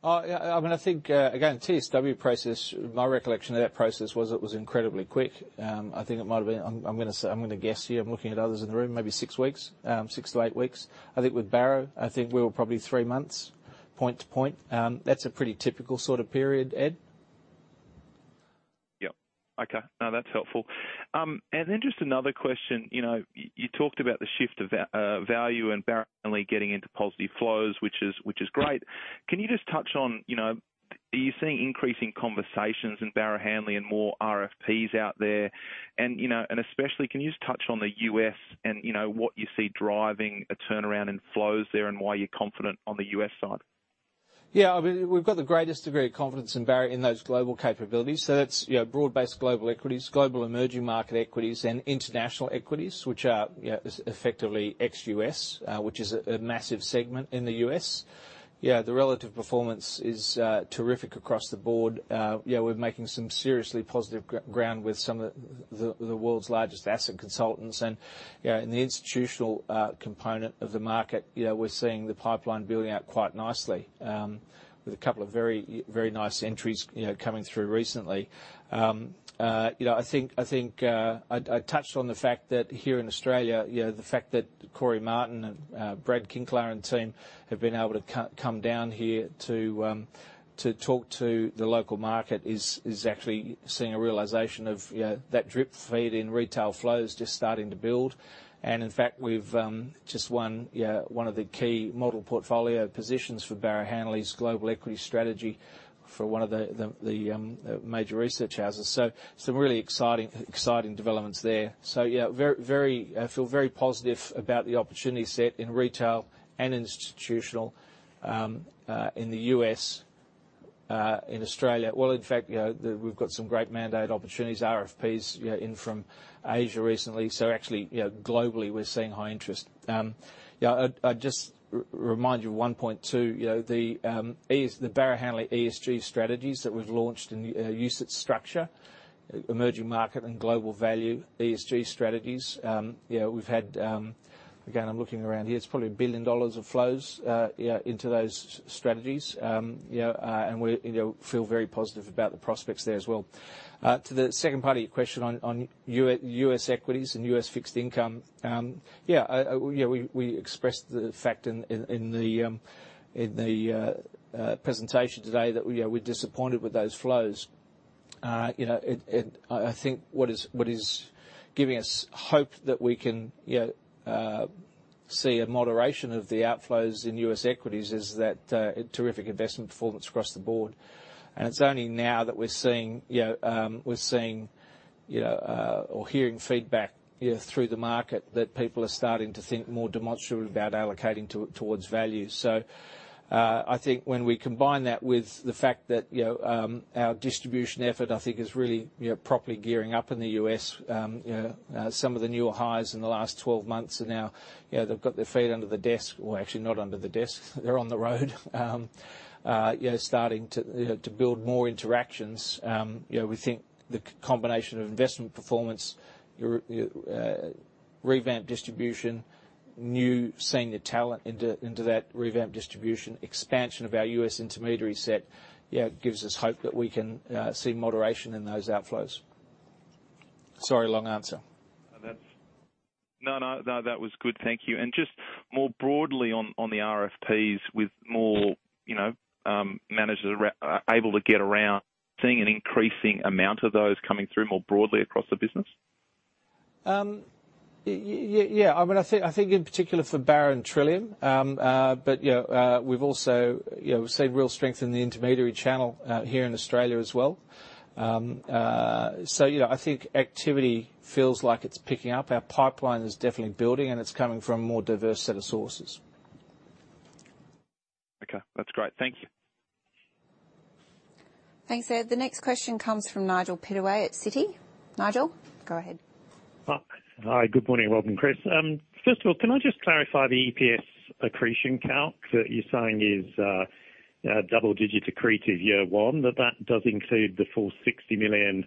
Oh, yeah. I mean, I think, again, TSW process, my recollection of that process was it was incredibly quick. I think it might have been. I'm gonna say, I'm gonna guess here. I'm looking at others in the room. Maybe six weeks. Six to eight weeks. I think with Barrow, I think we were probably three months point to point. That's a pretty typical sort of period, Ed. Yep. Okay. No, that's helpful. Just another question. You know, you talked about the shift to value and Barrow Hanley getting into positive flows, which is great. Can you just touch on, you know, are you seeing increasing conversations in Barrow Hanley and more RFPs out there and, you know, and especially can you just touch on the U.S. and, you know, what you see driving a turnaround in flows there and why you're confident on the U.S. side? Yeah, I mean, we've got the greatest degree of confidence in Barrow in those global capabilities. That's, you know, broad-based global equities, global emerging market equities and international equities, which are, you know, effectively ex-U.S., which is a massive segment in the U.S. You know, the relative performance is terrific across the board. You know, we're making some seriously positive ground with some of the world's largest asset consultants. You know, in the institutional component of the market, you know, we're seeing the pipeline building out quite nicely, with a couple of very, very nice entries, you know, coming through recently. You know, I think I touched on the fact that here in Australia, you know, the fact that Cory Martin and Brad Kinkelaar and team have been able to come down here to talk to the local market is actually seeing a realization of, you know, that drip feed in retail flows just starting to build. In fact, we've just won, you know, one of the key model portfolio positions for Barrow Hanley's global equity strategy for one of the major research houses. Some really exciting developments there. Yeah, I feel very positive about the opportunity set in retail and institutional in Australia. Well, in fact, you know, we've got some great mandate opportunities, RFPs, you know, in from Asia recently. Actually, you know, globally we're seeing high interest. You know, I'd just remind you of one point, too. You know, the Barrow Hanley ESG strategies that we've launched in UCITS structure, emerging market and global value ESG strategies. You know, we've had. Again, I'm looking around here. It's probably 1 billion dollars of flows, you know, into those strategies. You know, and we, you know, feel very positive about the prospects there as well. To the second part of your question on US equities and US fixed income. Yeah, you know, we expressed the fact in the presentation today that we, you know, we're disappointed with those flows. You know, I think what is giving us hope that we can, you know, see a moderation of the outflows in U.S. equities is that terrific investment performance across the board. It's only now that we're seeing, you know, or hearing feedback, you know, through the market that people are starting to think more demonstrably about allocating towards value. I think when we combine that with the fact that, you know, our distribution effort, I think is really, you know, properly gearing up in the U.S., you know. Some of the new hires in the last 12 months are now, you know, they've got their feet under the desk. Well, actually not under the desk. They're on the road. You know, starting to, you know, to build more interactions. You know, we think the combination of investment performance, revamped distribution, new senior talent into that revamped distribution expansion of our U.S. intermediary set, you know, gives us hope that we can see moderation in those outflows. Sorry, long answer. No, no, that was good. Thank you. Just more broadly on the RFPs with more, you know, managers are able to get around, seeing an increasing amount of those coming through more broadly across the business. Yeah. I mean, I think in particular for Barrow Hanley and Trillium, but you know, we've also, you know, we've seen real strength in the intermediary channel here in Australia as well. You know, I think activity feels like it's picking up. Our pipeline is definitely building, and it's coming from a more diverse set of sources. Okay. That's great. Thank you. Thanks, Ed. The next question comes from Nigel Pittaway at Citi. Nigel, go ahead. Hi. Good morning, welcome, Chris. First of all, can I just clarify the EPS accretion calc that you're saying is double-digit accretive year one, that does include the full 60 million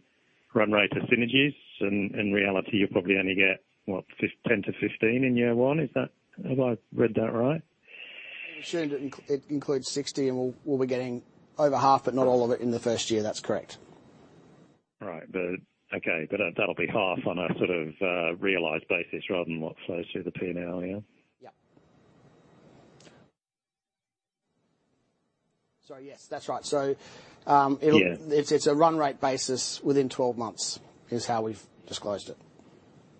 run rate of synergies. In reality, you probably only get, what, 10 million-15 million in year one. Is that? Have I read that right? It includes 60, and we'll be getting over half, but not all of it in the first year. That's correct. Right. Okay. That'll be half on a sort of realized basis rather than what flows through the P&L, yeah? Yeah. Sorry, yes, that's right. Yeah. It's a run rate basis within 12 months, is how we've disclosed it.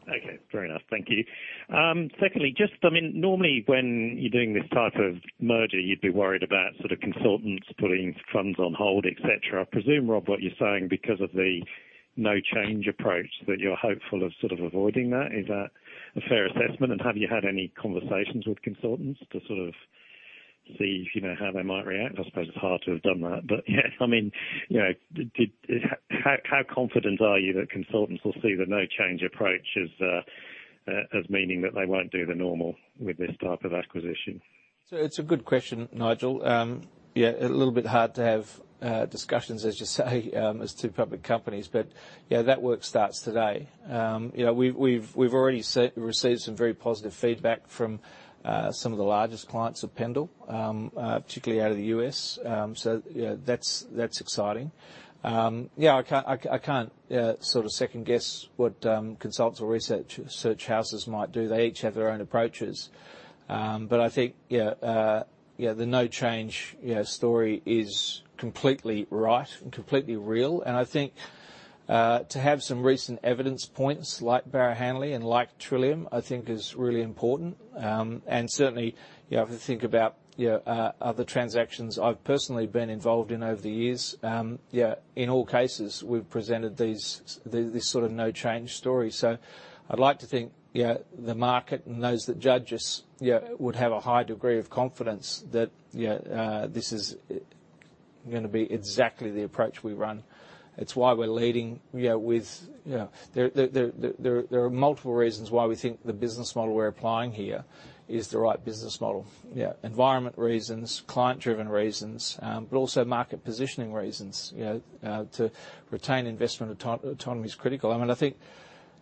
Okay, fair enough. Thank you. Secondly, just, I mean, normally when you're doing this type of merger, you'd be worried about sort of consultants putting funds on hold, et cetera. I presume, Rob, what you're saying because of the no-change approach, that you're hopeful of sort of avoiding that. Is that a fair assessment? And have you had any conversations with consultants to sort of see, you know, how they might react? I suppose it's hard to have done that. I mean, you know, how confident are you that consultants will see the no-change approach as meaning that they won't do the normal with this type of acquisition? It's a good question, Nigel. Yeah, a little bit hard to have discussions, as you say, as two public companies. Yeah, that work starts today. You know, we've received some very positive feedback from some of the largest clients of Pendal, particularly out of the U.S. You know, that's exciting. Yeah, I can't sort of second guess what consultants or research houses might do. They each have their own approaches. I think you know the no-change story is completely right and completely real. I think to have some recent evidence points like Barrow Hanley and like Trillium is really important. Certainly, you have to think about, you know, other transactions I've personally been involved in over the years. Yeah, in all cases, we've presented these, this sort of no-change story. I'd like to think, you know, the market and those that judge us, you know, would have a high degree of confidence that, you know, this is gonna be exactly the approach we run. It's why we're leading, you know, with, you know. There are multiple reasons why we think the business model we're applying here is the right business model. You know, environment reasons, client-driven reasons, but also market positioning reasons, you know, to retain investment autonomy is critical. I mean, I think,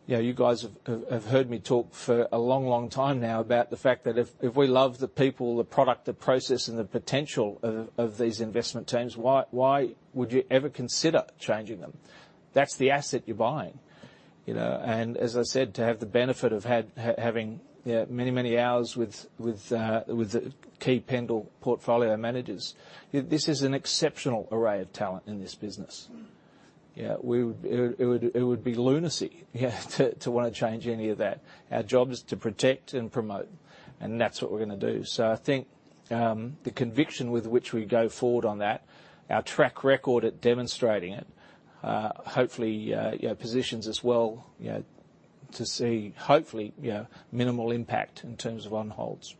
you know, you guys have heard me talk for a long, long time now about the fact that if we love the people, the product, the process, and the potential of these investment teams, why would you ever consider changing them? That's the asset you're buying. You know, as I said, to have the benefit of having, you know, many hours with the key Pendal portfolio managers, this is an exceptional array of talent in this business. You know, it would be lunacy, you know, to wanna change any of that. Our job is to protect and promote, and that's what we're gonna do. I think the conviction with which we go forward on that, our track record at demonstrating it, hopefully you know, positions us well, you know, to see hopefully you know, minimal impact in terms of outflows.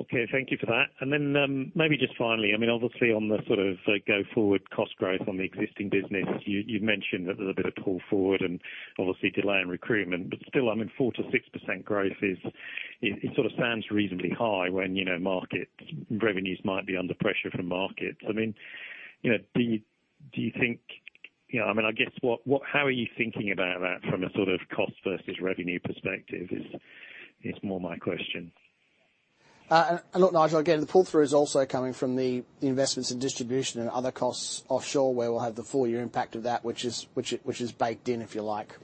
Okay. Thank you for that. Then, maybe just finally, I mean, obviously on the sort of go forward cost growth on the existing business, you mentioned that there's a bit of pull forward and obviously delay in recruitment. Still, I mean, 4%-6% growth is. It sort of sounds reasonably high when, you know, market revenues might be under pressure from markets. I mean, you know, how are you thinking about that from a sort of cost versus revenue perspective is more my question. Look, Nigel, again, the pull-through is also coming from the investments in distribution and other costs offshore, where we'll have the full year impact of that, which is baked in, if you like.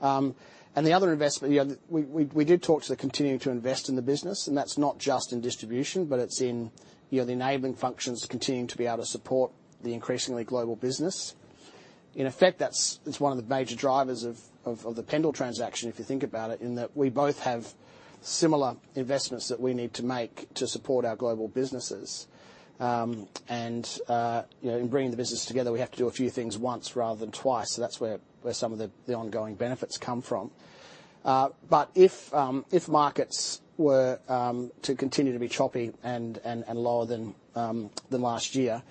The other investment, you know, we did talk about continuing to invest in the business, and that's not just in distribution, but it's in, you know, the enabling functions continuing to be able to support the increasingly global business. In effect, it's one of the major drivers of the Pendal transaction, if you think about it, in that we both have similar investments that we need to make to support our global businesses. You know, in bringing the business together, we have to do a few things once rather than twice. That's where some of the ongoing benefits come from. If markets were to continue to be choppy and lower than last year,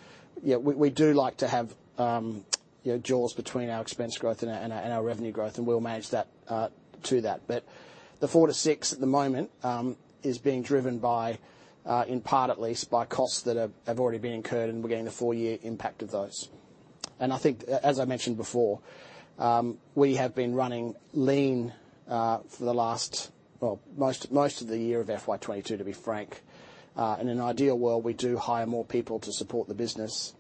you know, we do like to have jaws between our expense growth and our revenue growth, and we'll manage that to that. The 4%-6% at the moment is being driven by, in part at least, by costs that have already been incurred, and we're getting the full year impact of those. I think, as I mentioned before, we have been running lean for the last, well, most of the year of FY 2022, to be frank. In an ideal world, we do hire more people to support the business.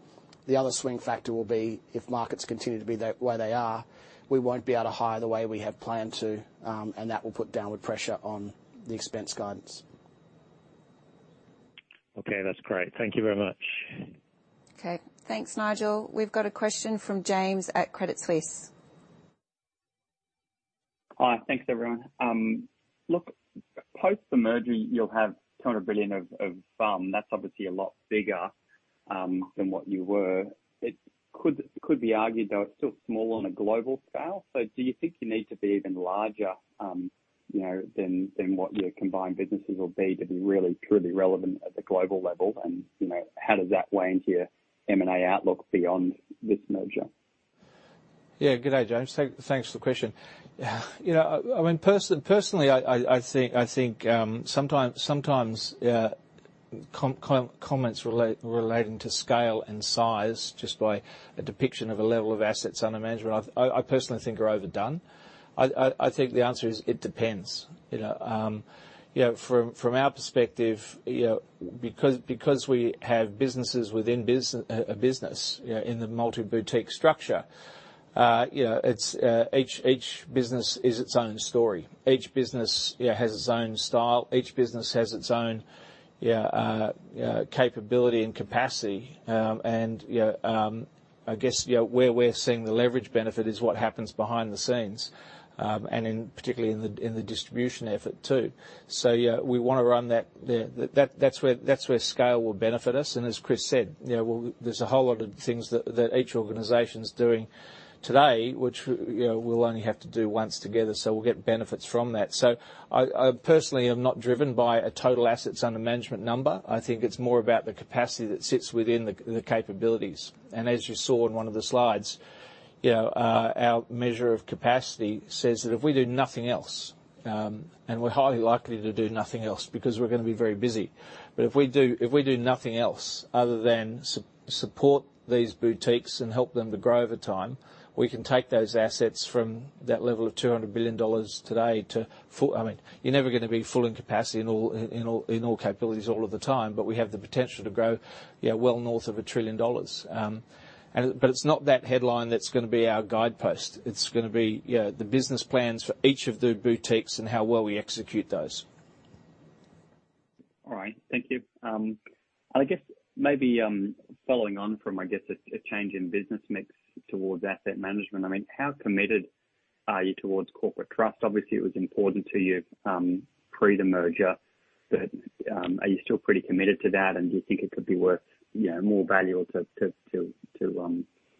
The other swing factor will be if markets continue to be the way they are, we won't be able to hire the way we have planned to, and that will put downward pressure on the expense guidance. Okay, that's great. Thank you very much. Okay, thanks, Nigel. We've got a question from James at Credit Suisse. Hi. Thanks, everyone. Look, post the merger, you'll have 200 billion of, that's obviously a lot bigger than what you were. It could be argued, though, it's still small on a global scale. Do you think you need to be even larger, you know, than what your combined businesses will be to be really truly relevant at the global level? You know, how does that weigh into your M&A outlook beyond this merger? Yeah. Good day, James. Thanks for the question. You know, I mean, personally, I think sometimes comments relating to scale and size just by a depiction of a level of assets under management, I personally think are overdone. I think the answer is it depends. You know, you know, from our perspective, you know, because we have businesses within a business, you know, in the multi-boutique structure, you know, it's each business is its own story. Each business, you know, has its own style. Each business has its own, you know, you know, capability and capacity. And, you know, I guess, you know, where we're seeing the leverage benefit is what happens behind the scenes, and particularly in the distribution effort too. Yeah, we wanna run that. That's where scale will benefit us. As Chris said, you know, there's a whole lot of things that each organization's doing today, which, you know, we'll only have to do once together. We'll get benefits from that. I personally am not driven by a total assets under management number. I think it's more about the capacity that sits within the capabilities. As you saw in one of the slides, you know, our measure of capacity says that if we do nothing else, and we're highly likely to do nothing else because we're gonna be very busy. If we do nothing else other than support these boutiques and help them to grow over time, we can take those assets from that level of 200 billion dollars today to full. I mean, you're never gonna be full in capacity in all capabilities all of the time, but we have the potential to grow, you know, well north of 1 trillion dollars. It's not that headline that's gonna be our guide post. It's gonna be, you know, the business plans for each of the boutiques and how well we execute those. All right. Thank you. I guess maybe following on from I guess a change in business mix towards asset management, I mean, how committed are you towards Corporate Trust? Obviously, it was important to you pre the merger, but are you still pretty committed to that? Do you think it could be worth you know more value to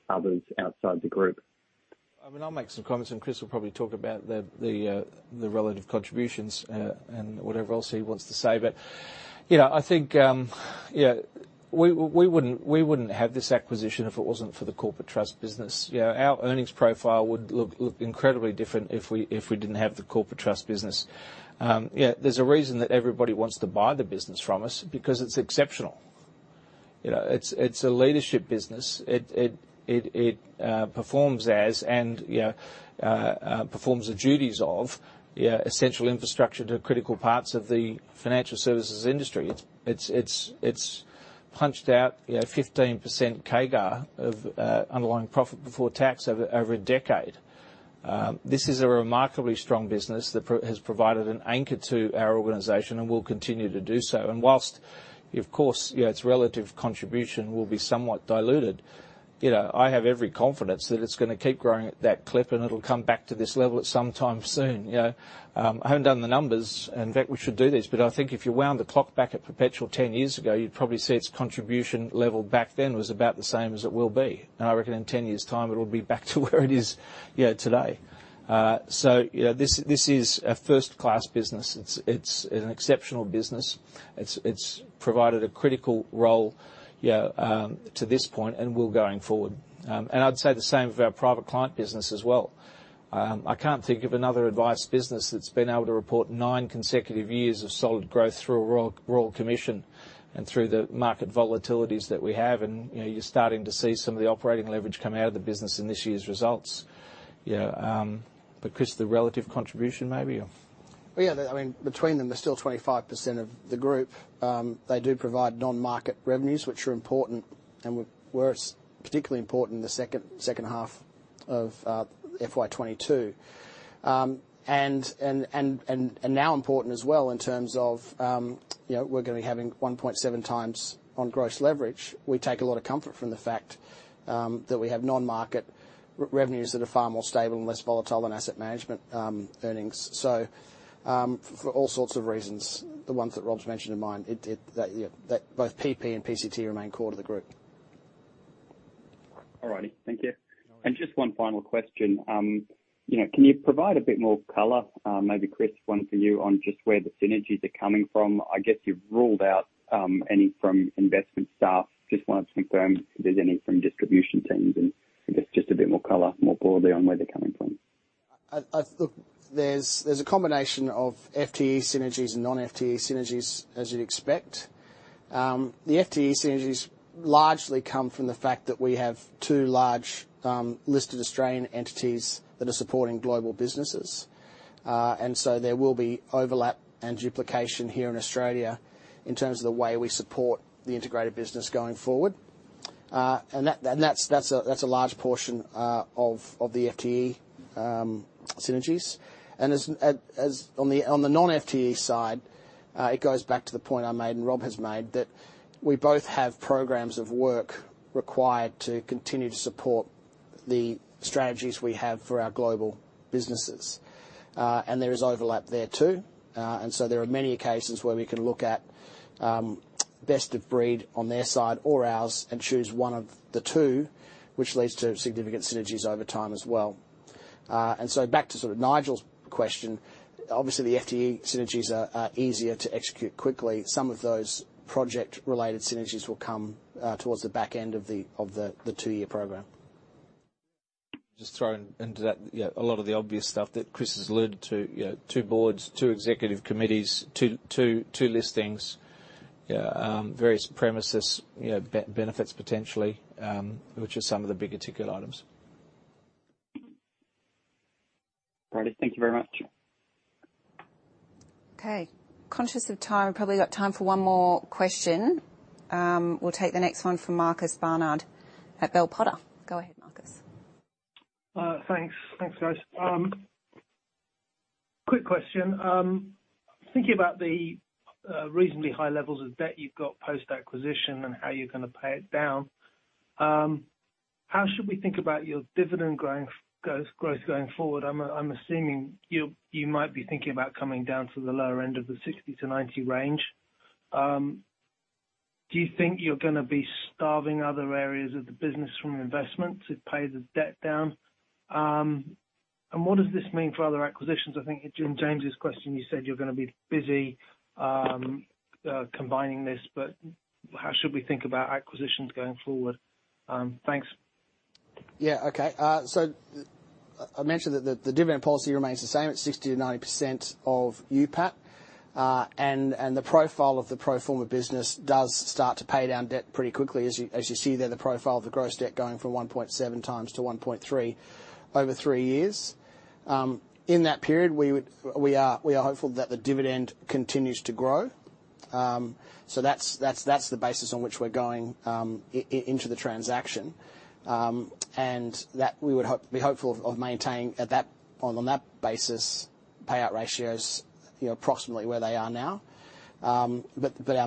others outside the group? I mean, I'll make some comments, and Chris will probably talk about the relative contributions and whatever else he wants to say. You know, I think you know, we wouldn't have this acquisition if it wasn't for the corporate trust business. You know, our earnings profile would look incredibly different if we didn't have the corporate trust business. You know, there's a reason that everybody wants to buy the business from us because it's exceptional. You know, it's a leadership business. It performs the duties of essential infrastructure to critical parts of the financial services industry. It's punched out 15% CAGR of underlying profit before tax over a decade. This is a remarkably strong business that has provided an anchor to our organization and will continue to do so. While of course, you know, its relative contribution will be somewhat diluted, you know, I have every confidence that it's gonna keep growing at that clip, and it'll come back to this level at some time soon. You know, I haven't done the numbers, and in fact, we should do this, but I think if you wound the clock back at Perpetual 10 years ago, you'd probably see its contribution level back then was about the same as it will be. I reckon in 10 years' time it'll be back to where it is, you know, today. You know, this is a first-class business. It's an exceptional business. It's provided a critical role, you know, to this point and will going forward. I'd say the same of our private client business as well. I can't think of another advice business that's been able to report nine consecutive years of solid growth through a Royal Commission and through the market volatilities that we have. You know, you're starting to see some of the operating leverage come out of the business in this year's results. You know, but Chris, the relative contribution maybe? Well, yeah, I mean, between them, they're still 25% of the group. They do provide non-market revenues, which are important, and where it's particularly important in the second half of FY 2022 and now important as well in terms of, you know, we're gonna be having 1.7x On gross leverage. We take a lot of comfort from the fact that we have non-market revenues that are far more stable and less volatile than asset management earnings. For all sorts of reasons, the ones that Rob's mentioned in mind, that, yeah, that both PP and PCT remain core to the group. All righty. Thank you. Just one final question. You know, can you provide a bit more color, maybe Chris, one for you, on just where the synergies are coming from? I guess you've ruled out any from investment staff. Just wanted to confirm if there's any from distribution teams and I guess just a bit more color more broadly on where they're coming from. Look, there's a combination of FTE synergies and non-FTE synergies, as you'd expect. The FTE synergies largely come from the fact that we have two large listed Australian entities that are supporting global businesses. There will be overlap and duplication here in Australia in terms of the way we support the integrated business going forward. That's a large portion of the FTE synergies. On the non-FTE side, it goes back to the point I made and Rob has made that we both have programs of work required to continue to support the strategies we have for our global businesses. There is overlap there too. There are many cases where we can look at best of breed on their side or ours and choose one of the two, which leads to significant synergies over time as well. Back to sort of Nigel's question. Obviously, the FTE synergies are easier to execute quickly. Some of those project-related synergies will come towards the back end of the two-year program. Just to throw it into that, yeah, a lot of the obvious stuff that Chris has alluded to. You know, two boards, two executive committees, two listings. Various premises, you know, benefits potentially, which are some of the bigger-ticket items. Righty. Thank you very much. Okay. Conscious of time. We've probably got time for one more question. We'll take the next one from Marcus Barnard at Bell Potter. Go ahead, Marcus. Thanks. Thanks, guys. Quick question. Thinking about the reasonably high levels of debt you've got post-acquisition and how you're gonna pay it down, how should we think about your dividend growth going forward? I'm assuming you might be thinking about coming down to the lower end of the 60-90 range. Do you think you're gonna be starving other areas of the business from investment to pay the debt down? What does this mean for other acquisitions? I think in James' question, you said you're gonna be busy combining this, but how should we think about acquisitions going forward? Thanks. Yeah. Okay. I mentioned that the dividend policy remains the same. It's 60%-90% of UPAT. The profile of the pro forma business does start to pay down debt pretty quickly. As you see there, the profile of the gross debt going from 1.7x-1.3x over three years. In that period, we are hopeful that the dividend continues to grow. That's the basis on which we're going into the transaction. We would be hopeful of maintaining on that basis, payout ratios, you know, approximately where they are now. Our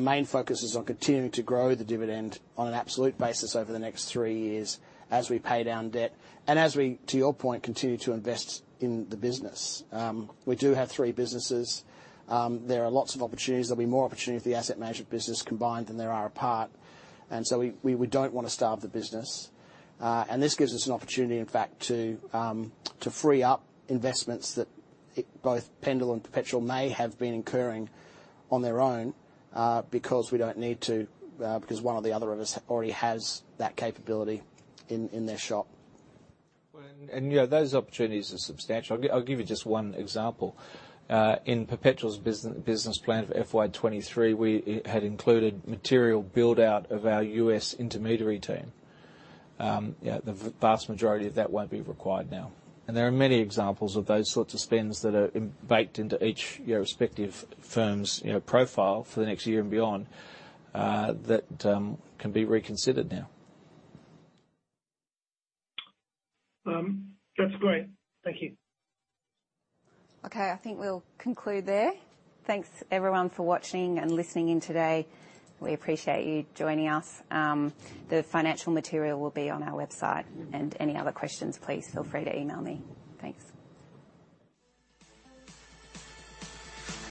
main focus is on continuing to grow the dividend on an absolute basis over the next three years as we pay down debt and as we, to your point, continue to invest in the business. We do have three businesses. There are lots of opportunities. There'll be more opportunity if the asset management business combined than there are apart. We don't wanna starve the business. This gives us an opportunity, in fact, to free up investments that both Pendal and Perpetual may have been incurring on their own, because we don't need to, because one or the other of us already has that capability in their shop. Well, you know, those opportunities are substantial. I'll give you just one example. In Perpetual's business plan for FY 2023, we had included material build-out of our U.S. intermediary team. You know, the vast majority of that won't be required now. There are many examples of those sorts of spends that are baked into each respective firm's profile for the next year and beyond that can be reconsidered now. That's great. Thank you. Okay. I think we'll conclude there. Thanks everyone for watching and listening in today. We appreciate you joining us. The financial material will be on our website. Any other questions, please feel free to email me. Thanks.